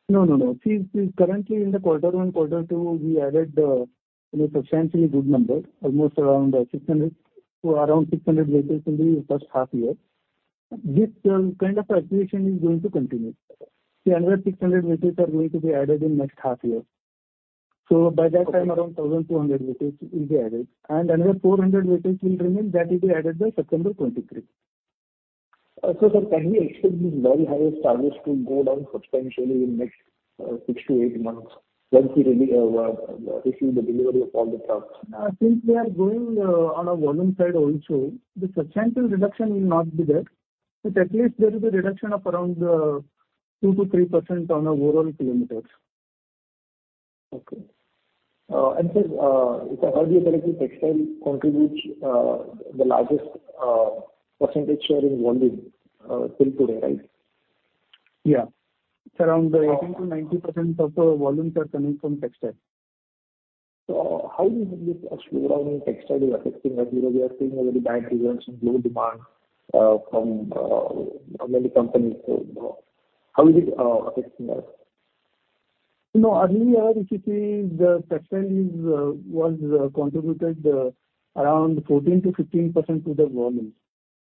No, no, no. See, see, currently in the quarter one, quarter two, we added, you know, substantially good numbers, almost around, 600, around 600 vehicles in the first half year. This, kind of calculation is going to continue. See, another 600 vehicles are going to be added in next half year. So by that time, around 1,200 vehicles will be added, and another 400 vehicles will remain. That will be added by September 2023. So, sir, can we expect these, well, higher charges to go down substantially in next six to eight months, once we really receive the delivery of all the trucks? Since we are going, on a volume side also, the substantial reduction will not be there, but at least there is a reduction of around 2%-3% on the overall kilometers. Okay. Sir, if I heard you correctly, textile contributes the largest percentage share in volume till today, right? Yeah. It's around 18%-19% of the volumes are coming from textile. So how do you believe a slowdown in textile is affecting us? You know, we are seeing already bad results and low demand from many companies. So how is it affecting us? No, earlier, if you see, the textile is, was contributed, around 14%-15% to the volumes.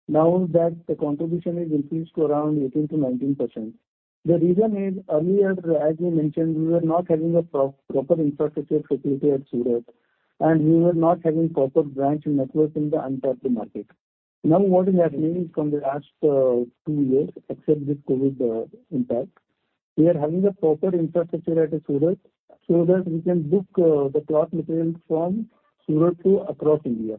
Now that the contribution is increased to around 18%-19%. The reason is, earlier, as we mentioned, we were not having a proper infrastructure facility at Surat, and we were not having proper branch network in the untapped market. Now, what we have done is from the last, two years, except this COVID, impact, we are having a proper infrastructure at Surat, so that we can book, the cloth material from Surat to across India.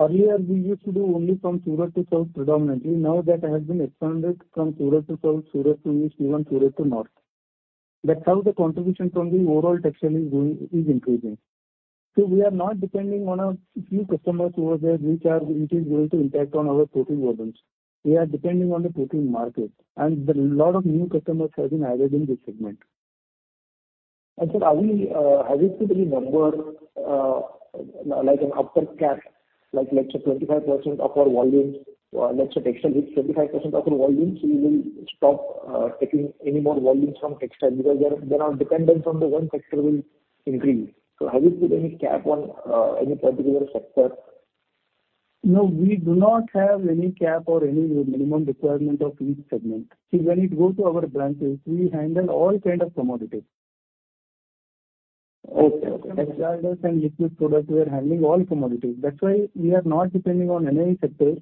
Earlier, we used to do only from Surat to South predominantly. Now that has been expanded from Surat to South, Surat to East, even Surat to North. That's how the contribution from the overall textile is going, is increasing. We are not depending on a few customers who are there, which is going to impact on our total volumes. We are depending on the total market, and there are a lot of new customers have been added in this segment. Sir, have you put any number, like an upper cap, like let's say 25% of our volumes, let's say textile is 25% of the volumes, we will stop taking any more volumes from textile because they are, they are dependent on the one sector will increase. So have you put any cap on any particular sector? No, we do not have any cap or any minimum requirement of each segment. See, when it goes to our branches, we handle all kind of commodities. Okay, okay. Textiles and liquid products, we are handling all commodities. That's why we are not depending on any sector,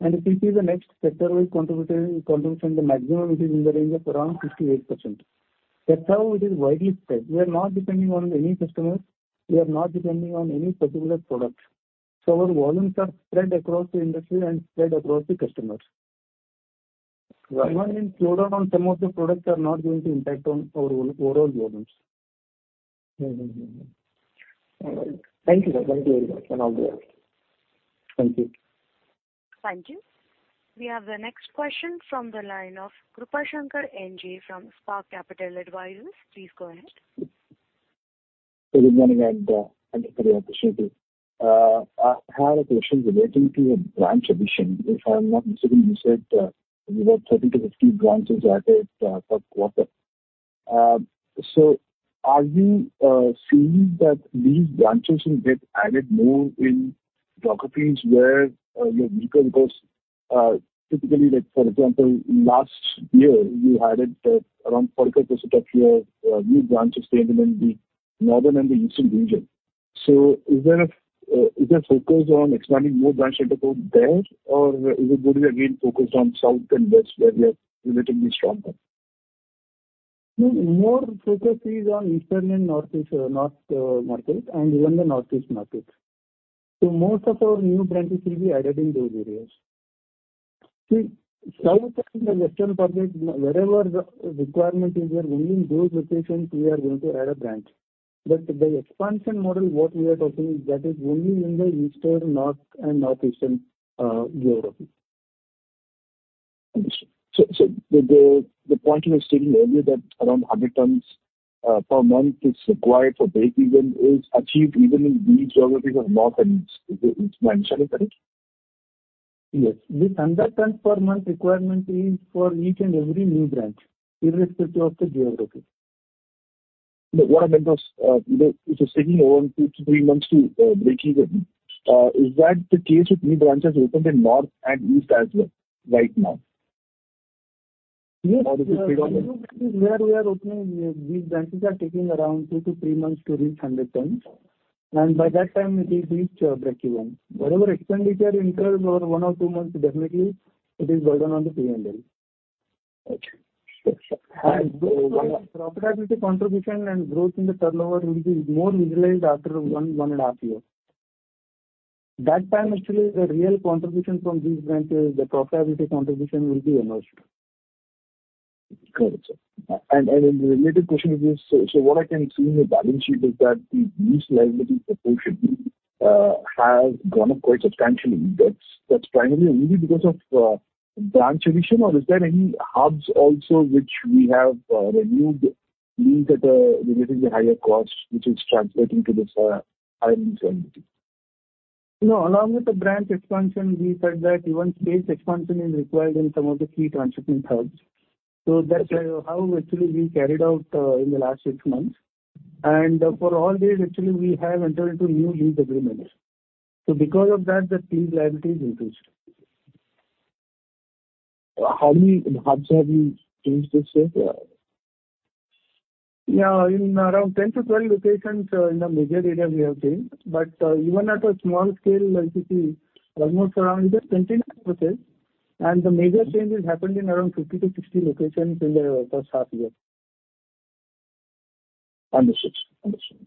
and if you see the next sector, we contribute, contribution, the maximum it is in the range of around 58%. That's how it is widely spread. We are not depending on any customer, we are not depending on any particular product. So our volumes are spread across the industry and spread across the customers. Even in slowdown on some of the products are not going to impact on our overall volumes. Mm-hmm. All right. Thank you, sir. Thank you very much, and all the best. Thank you. Thank you. We have the next question from the line of Krupashankar NJ from Spark Capital Advisors. Please go ahead. Good morning, and thank you for the opportunity. I had a question relating to your branch addition. If I'm not mistaken, you said you had 13-15 branches added per quarter. So are you seeing that these branches will get added more in geographies where you are weaker? Because typically, like, for example, last year, you added around 40% of your new branches came in the northern and the eastern region. So is there a focus on expanding more branch interval there, or is it going to be again focused on south and west, where we are relatively stronger? No, more focus is on Eastern and Northeast, North market and even the Northeast market. So most of our new branches will be added in those areas. See, South and the Western part, wherever the requirement is there, only in those locations we are going to add a branch. But the expansion model, what we are talking, is that is only in the Eastern, North, and Northeastern geography. Understood. So, the point you were stating earlier that around 100 tons per month is required for breakeven is achieved even in these geographies of North and East. Is my understanding correct? Yes. This 100 tons per month requirement is for each and every new branch, irrespective of the geography. What I meant was, that it's taking over two to three months to breakeven. Is that the case with new branches opened in North and East as well right now? Yes. Or is it... Where we are opening, these branches are taking around two to three months to reach 100 tons, and by that time it will reach breakeven. Whatever expenditure incurred over one or two months, definitely it is burden on the P&L. Got you. Profitability contribution and growth in the turnover will be more realized after one and half years. That time, actually, the real contribution from these branches, the profitability contribution will be emerged. Got it, sir. And the related question is this: so what I can see in the balance sheet is that the lease liability proportionally has gone up quite substantially. That's primarily only because of branch addition, or is there any hubs also which we have renewed lease at a relatively higher cost, which is translating to this higher lease liability? No, along with the branch expansion, we said that even space expansion is required in some of the key transshipment hubs. So that's how actually we carried out in the last six months. And for all these, actually, we have entered into new lease agreements. So because of that, the lease liability has increased. How many hubs have you changed this way? Yeah, in around 10-12 locations in the major areas we have changed. But even at a small scale, like you see, almost around just 29%. And the major changes happened in around 50-60 locations in the first half year. Understood. Understood.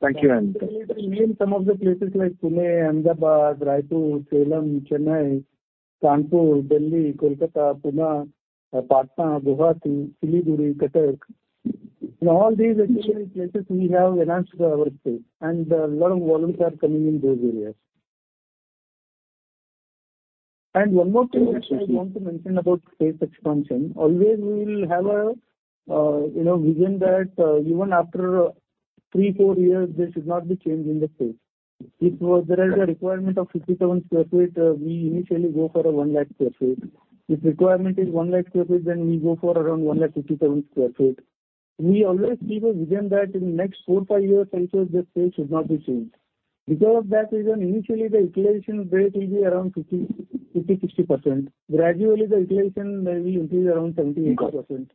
Thank you very much. In some of the places like Pune, Ahmedabad, Raipur, Salem, Chennai, Kanpur, Delhi, Kolkata, Pune, Patna, Guwahati, Siliguri, Cuttack. In all these actually places we have enhanced our space, and a lot of volumes are coming in those areas. And one more thing which I want to mention about space expansion, always we will have a, you know, vision that, even after, three, four years, there should not be change in the space. If there is a requirement of 57 sq ft, we initially go for a 100,000 sq ft. If requirement is 100,000 sq ft, then we go for around 100,157 sq ft. We always keep a vision that in the next four to five years also, the space should not be changed. Because of that reason, initially the utilization rate is around 50%-60%. Gradually, the utilization may increase around 70%-80%.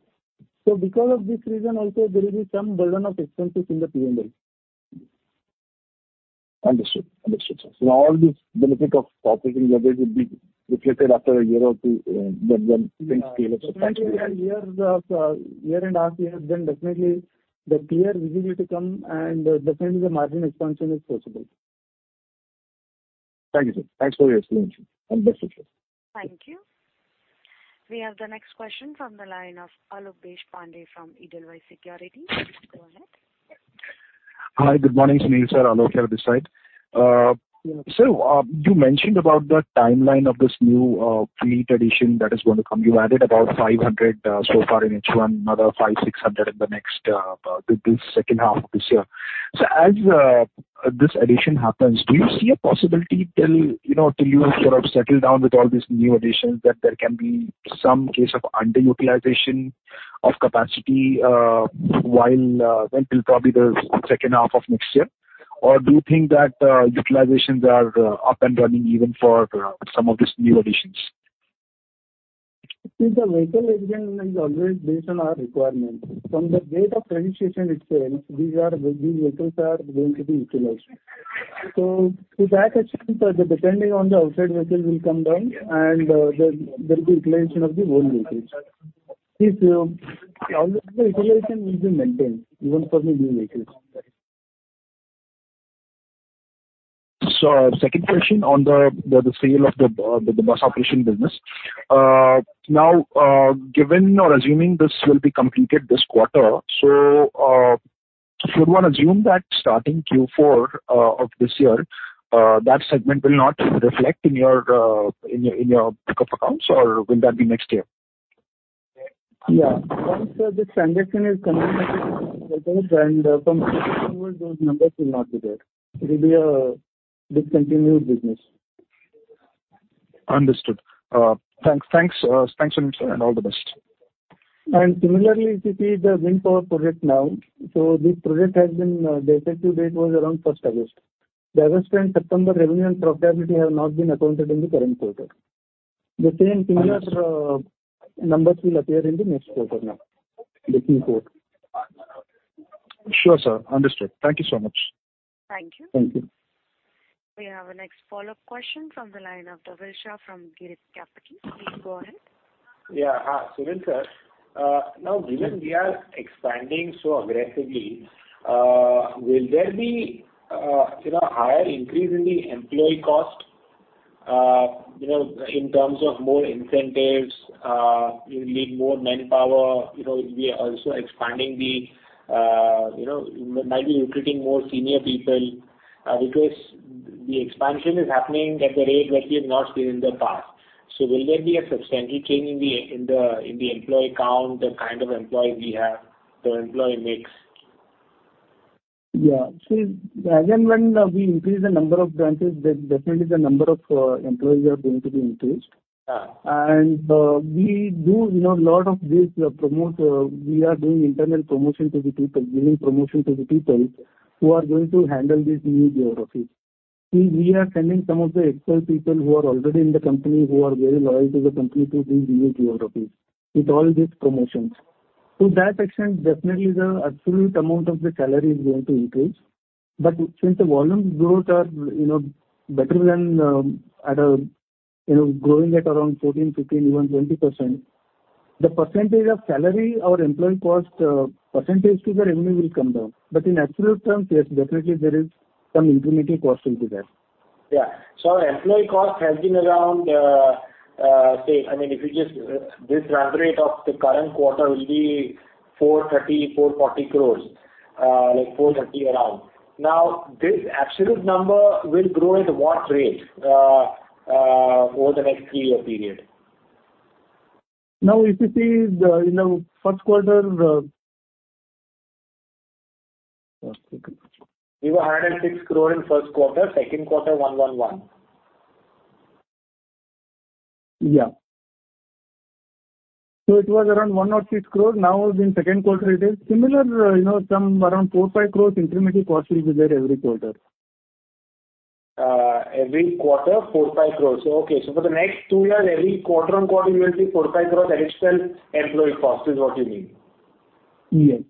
Because of this reason also, there will be some burden of expenses in the P&L. Understood. Understood, sir. So all this benefit of operating leverage would be reflected after a year or two, when things scale up substantially. Yeah. Year, year and half year, then definitely the clear visibility to come and definitely the margin expansion is possible. Thank you, sir. Thanks for your explanation, and best wishes. Thank you. We have the next question from the line of Alok Deshpande from Edelweiss Securities. Please go ahead. Hi, good morning, Sunil, sir. Alok Deshpande this side. So, you mentioned about the timeline of this new fleet addition that is going to come. You added about 500 so far in H1, another 500-600 in the next, the second half of this year. So as this addition happens, do you see a possibility till, you know, till you have sort of settled down with all these new additions, that there can be some case of underutilization of capacity while until probably the second half of next year? Or do you think that utilizations are up and running even for some of these new additions? See, the vehicle addition is always based on our requirement. From the date of registration itself, these are, these vehicles are going to be utilized.... So to that extent, the depending on the outside vehicle will come down and, there, there will be utilization of the old vehicles. See, so all the insulation will be maintained even for the new vehicles. So, second question on the sale of the bus operation business. Now, given or assuming this will be completed this quarter, so, should one assume that starting Q4 of this year, that segment will not reflect in your book of accounts, or will that be next year? Yeah. Once this transaction is completed, and from those numbers will not be there. It will be a discontinued business. Understood. Thanks, thanks, thanks, Sunil, sir, and all the best. And similarly, if you see the wind power project now, so this project has been, the effective date was around August 1st. The August and September revenue and profitability have not been accounted in the current quarter. The same similar numbers will appear in the next quarter now, the Q4. Sure, sir. Understood. Thank you so much. Thank you. Thank you. We have our next follow-up question from the line of Dhaval Shah from Girik Capital. Please go ahead. Yeah. Hi, Sunil, sir. Now, given we are expanding so aggressively, will there be, you know, higher increase in the employee cost, you know, in terms of more incentives, you need more manpower, you know, we are also expanding the, you know, might be recruiting more senior people, because the expansion is happening at the rate that we have not seen in the past. So will there be a substantial change in the employee count, the kind of employee we have, the employee mix? Yeah. Again, when we increase the number of branches, then definitely the number of employees are going to be increased. Yeah. We do, you know, a lot of this promotion, we are doing internal promotion to the people, giving promotion to the people who are going to handle these new geographies. See, we are sending some of the expert people who are already in the company, who are very loyal to the company, to these new geographies with all these promotions. To that extent, definitely the absolute amount of the salary is going to increase. But since the volume growth are, you know, better than at a, you know, growing at around 14%, 15%, even 20%, the percentage of salary or employee cost, percentage to the revenue will come down. But in absolute terms, yes, definitely there is some incremental cost into that. Yeah. So employee cost has been around, say, I mean, if you just, this run rate of the current quarter will be 430 crore-440 crore, like 430 around. Now, this absolute number will grow at what rate, over the next three-year period? Now, if you see the, you know, first quarter. One second. You were 106 crore in first quarter, second quarter, 111. Yeah. So it was around 106 crores. Now, in second quarter, it is similar, you know, some around 4 crores-5 crores incremental cost will be there every quarter. quarter, 4 crore-5 crore. Okay. So for the next two years, every quarter on quarter, you will see 4 crore-5 crore additional employee cost, is what you mean? Yes.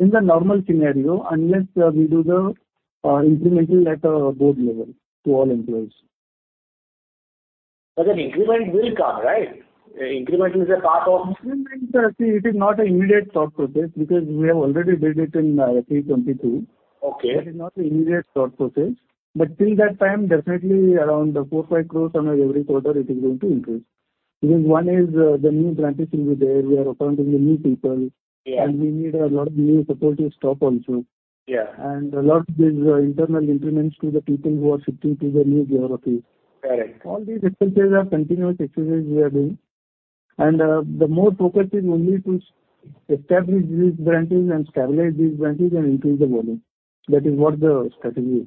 In the normal scenario, unless we do the incremental at a board level to all employees. But an increment will come, right? Increment is a part of- See, it is not an immediate thought process, because we have already did it in 322. Okay. It is not an immediate thought process. But till that time, definitely around 4 crore-5 crore on every quarter, it is going to increase. Because one is, the new branches will be there. We are appointing the new people- Yeah. We need a lot of new supportive staff also. Yeah. A lot of these internal increments to the people who are shifting to the new geographies. Correct. All these expenses are continuous expenses we are doing. And, the more focus is only to establish these branches and stabilize these branches and increase the volume. That is what the strategy is.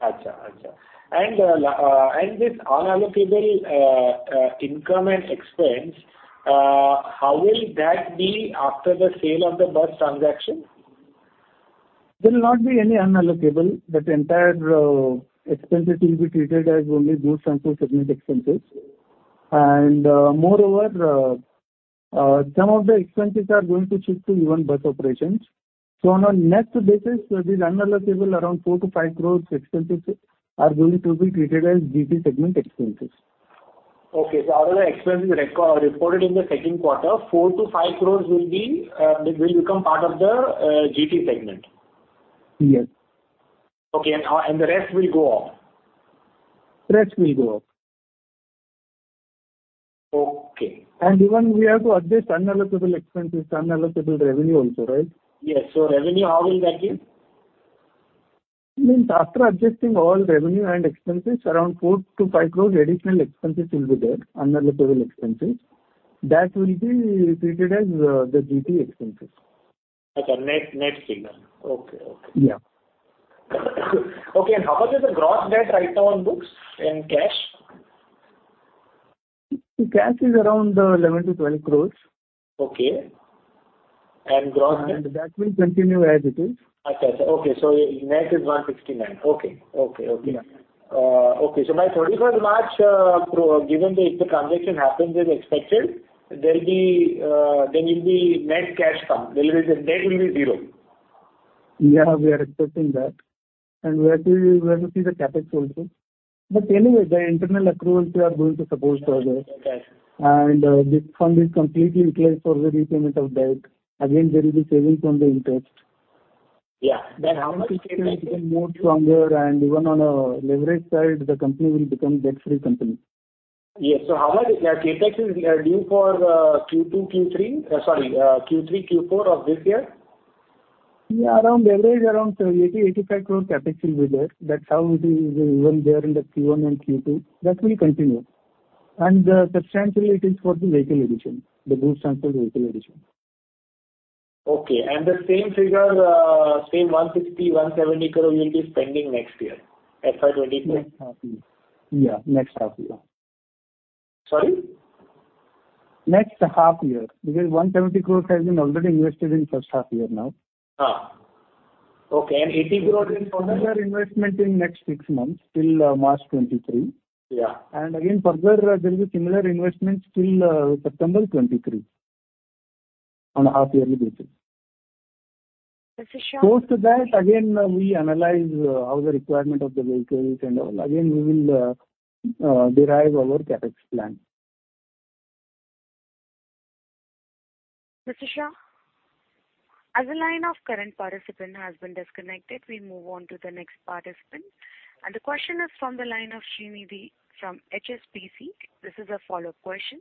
Got you, got you. And this unallocable income and expense, how will that be after the sale of the bus transaction? There will not be any unallocable. That entire expenses will be treated as only Goods Transport segment expenses. Moreover, some of the expenses are going to shift to even bus operations. So on a net basis, these unallocable around 4 crore-5 crore expenses are going to be treated as GT segment expenses. Okay. So out of the expenses reported in the second quarter, 4 crore-5 crore will be, will become part of the GT segment? Yes. Okay, and the rest will go off? Rest will go off. Okay. Even we have to adjust unallocable expenses, unallocable revenue also, right? Yes. So revenue, how will that be? Means after adjusting all revenue and expenses, around 4 crore-5 crore additional expenses will be there, unallocable expenses. That will be treated as the GT expenses. Okay, net, net figure. Okay, okay. Yeah. Okay, and how much is the gross debt right now on books and cash? The cash is around 11 crore-12 crores. Okay. And gross debt? That will continue as it is. Okay, so net is 169. Okay. Okay, okay. Okay, so by March 31st, given that if the transaction happens as expected, there'll be, there will be net cash come. There will be, the debt will be zero? Yeah, we are expecting that. We have to, we have to see the CapEx also. Anyway, the internal accruals we are going to support for this. Okay. This fund is completely utilized for the repayment of debt. Again, there will be savings on the interest. Yeah. Then how much- More stronger, and even on a leverage side, the company will become debt-free company. Yes. So how about the CapEx is due for Q2, Q3, sorry, Q3, Q4 of this year? Yeah, around average around 30 crore-85 crore CapEx will be there. That's how it is even there in the Q1 and Q2. That will continue. And, substantially, it is for the vehicle addition, the goods transportation vehicle addition. Okay, and the same figure, same 160 crore-170 crore will be spending next year, FY 2023? Yeah, next half year. Sorry? Next half year, because 170 crore has been already invested in first half year now. Ah! Okay, and 80 crore in- Further investment in next six months, till March 2023. Yeah. And again, further, there is a similar investment till September 2023, on a half yearly basis. Mr. Shah? Post that, again, we analyze how the requirement of the vehicles and all. Again, we will derive our CapEx plan. Mr. Shah, as the line of current participant has been disconnected, we move on to the next participant. The question is from the line of Srinidhi from HSBC. This is a follow-up question.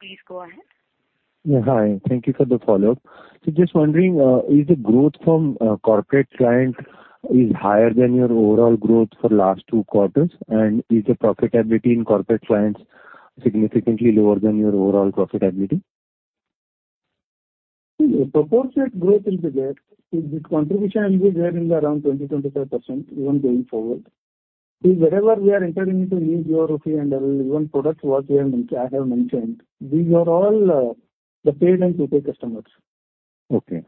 Please go ahead. Yeah, hi. Thank you for the follow-up. So just wondering, is the growth from corporate client is higher than your overall growth for last two quarters? And is the profitability in corporate clients significantly lower than your overall profitability? The proportionate growth will be there. So the contribution will be there in the around 20%-25%, even going forward. See, wherever we are entering into India rupee and even products what we have I have mentioned, these are all, the Paid and To-Pay customers. Okay.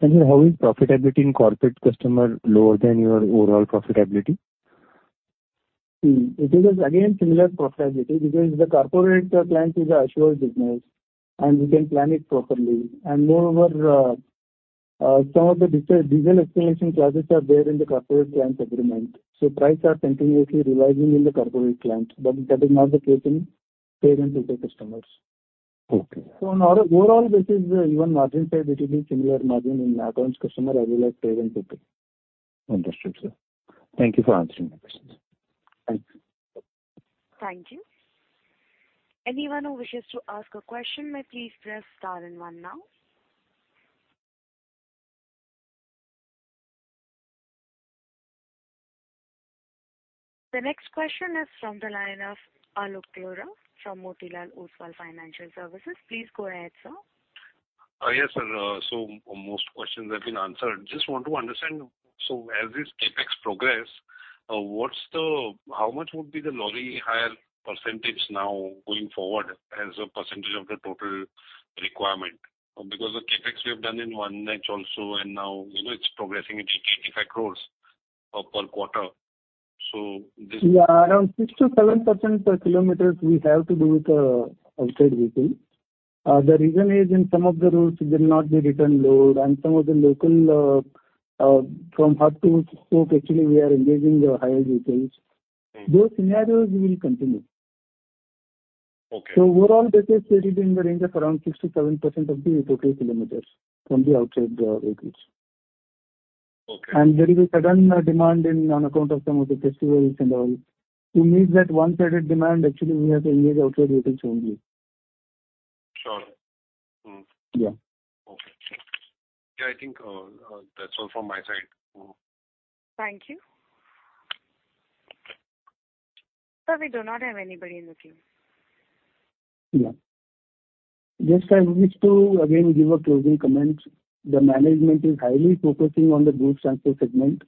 And how is profitability in corporate customer lower than your overall profitability? It is, again, similar profitability, because the corporate client is a assured business, and we can plan it properly. And moreover, some of the diesel escalation clauses are there in the corporate client agreement. So price are continuously revising in the corporate client, but that is not the case in Paid and To-Pay customers. Okay. On our overall basis, even margin side, it will be similar margin in accounts customer as well as Paid and To-Pay. Understood, sir. Thank you for answering my questions. Thank you. Thank you. Anyone who wishes to ask a question may please press star and one now. The next question is from the line of Alok Deora from Motilal Oswal Financial Services. Please go ahead, sir. Yes, sir. So most questions have been answered. Just want to understand, so as this CapEx progress, what's the... How much would be the lorry hire percentage now going forward as a percentage of the total requirement? Because the CapEx we have done in one niche also, and now, you know, it's progressing at 85 crore per quarter. So this- Yeah, around 6%-7% per kilometers we have to do with outside vehicle. The reason is, in some of the routes, there not be return load, and some of the local, from hub to spoke, actually, we are engaging the hire vehicles. Mm. Those scenarios will continue. Okay. Overall, that is stated in the range of around 6%-7% of the total kilometers from the outside vehicles. Okay. There will be sudden demand in on account of some of the festivals and all. To meet that one-sided demand, actually, we have to engage outside vehicles only. Sure. Mm. Yeah. Okay. Yeah, I think, that's all from my side. Thank you. Sir, we do not have anybody in the queue. Yeah. Just I wish to again give a closing comment. The management is highly focusing on the Goods Transport segment,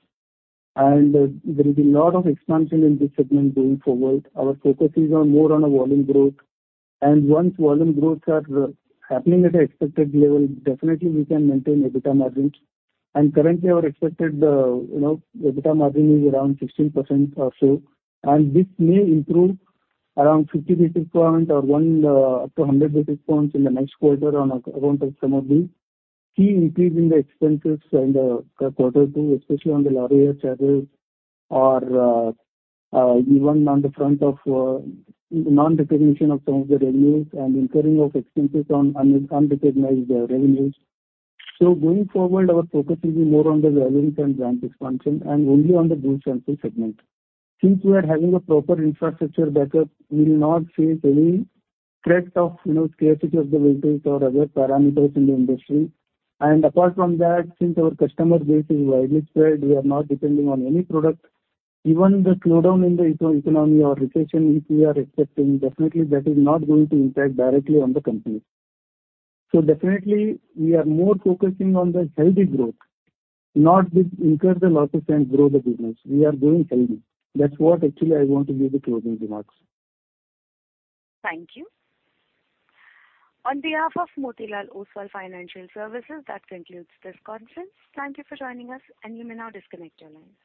and there is a lot of expansion in this segment going forward. Our focus is on more on a volume growth. And once volume growth are happening at an expected level, definitely we can maintain EBITDA margins. And currently, our expected, you know, EBITDA margin is around 16% or so, and this may improve around 50 basis points or 1-100 basis points in the next quarter on account of some of the key increase in the expenses and, quarter two, especially on the lorry charges or, even on the front of, non-recognition of some of the revenues and incurring of expenses on unrecognized revenues. So going forward, our focus will be more on the revenue and branch expansion and only on the Goods Transportation segment. Since we are having a proper infrastructure backup, we will not face any threat of, you know, scarcity of the vehicles or other parameters in the industry. Apart from that, since our customer base is widely spread, we are not depending on any product. Even the slowdown in the economy or recession, if we are expecting, definitely that is not going to impact directly on the company. So definitely, we are more focusing on the healthy growth, not with incur the losses and grow the business. We are growing healthy. That's what actually I want to give the closing remarks. Thank you. On behalf of Motilal Oswal Financial Services, that concludes this conference. Thank you for joining us, and you may now disconnect your lines.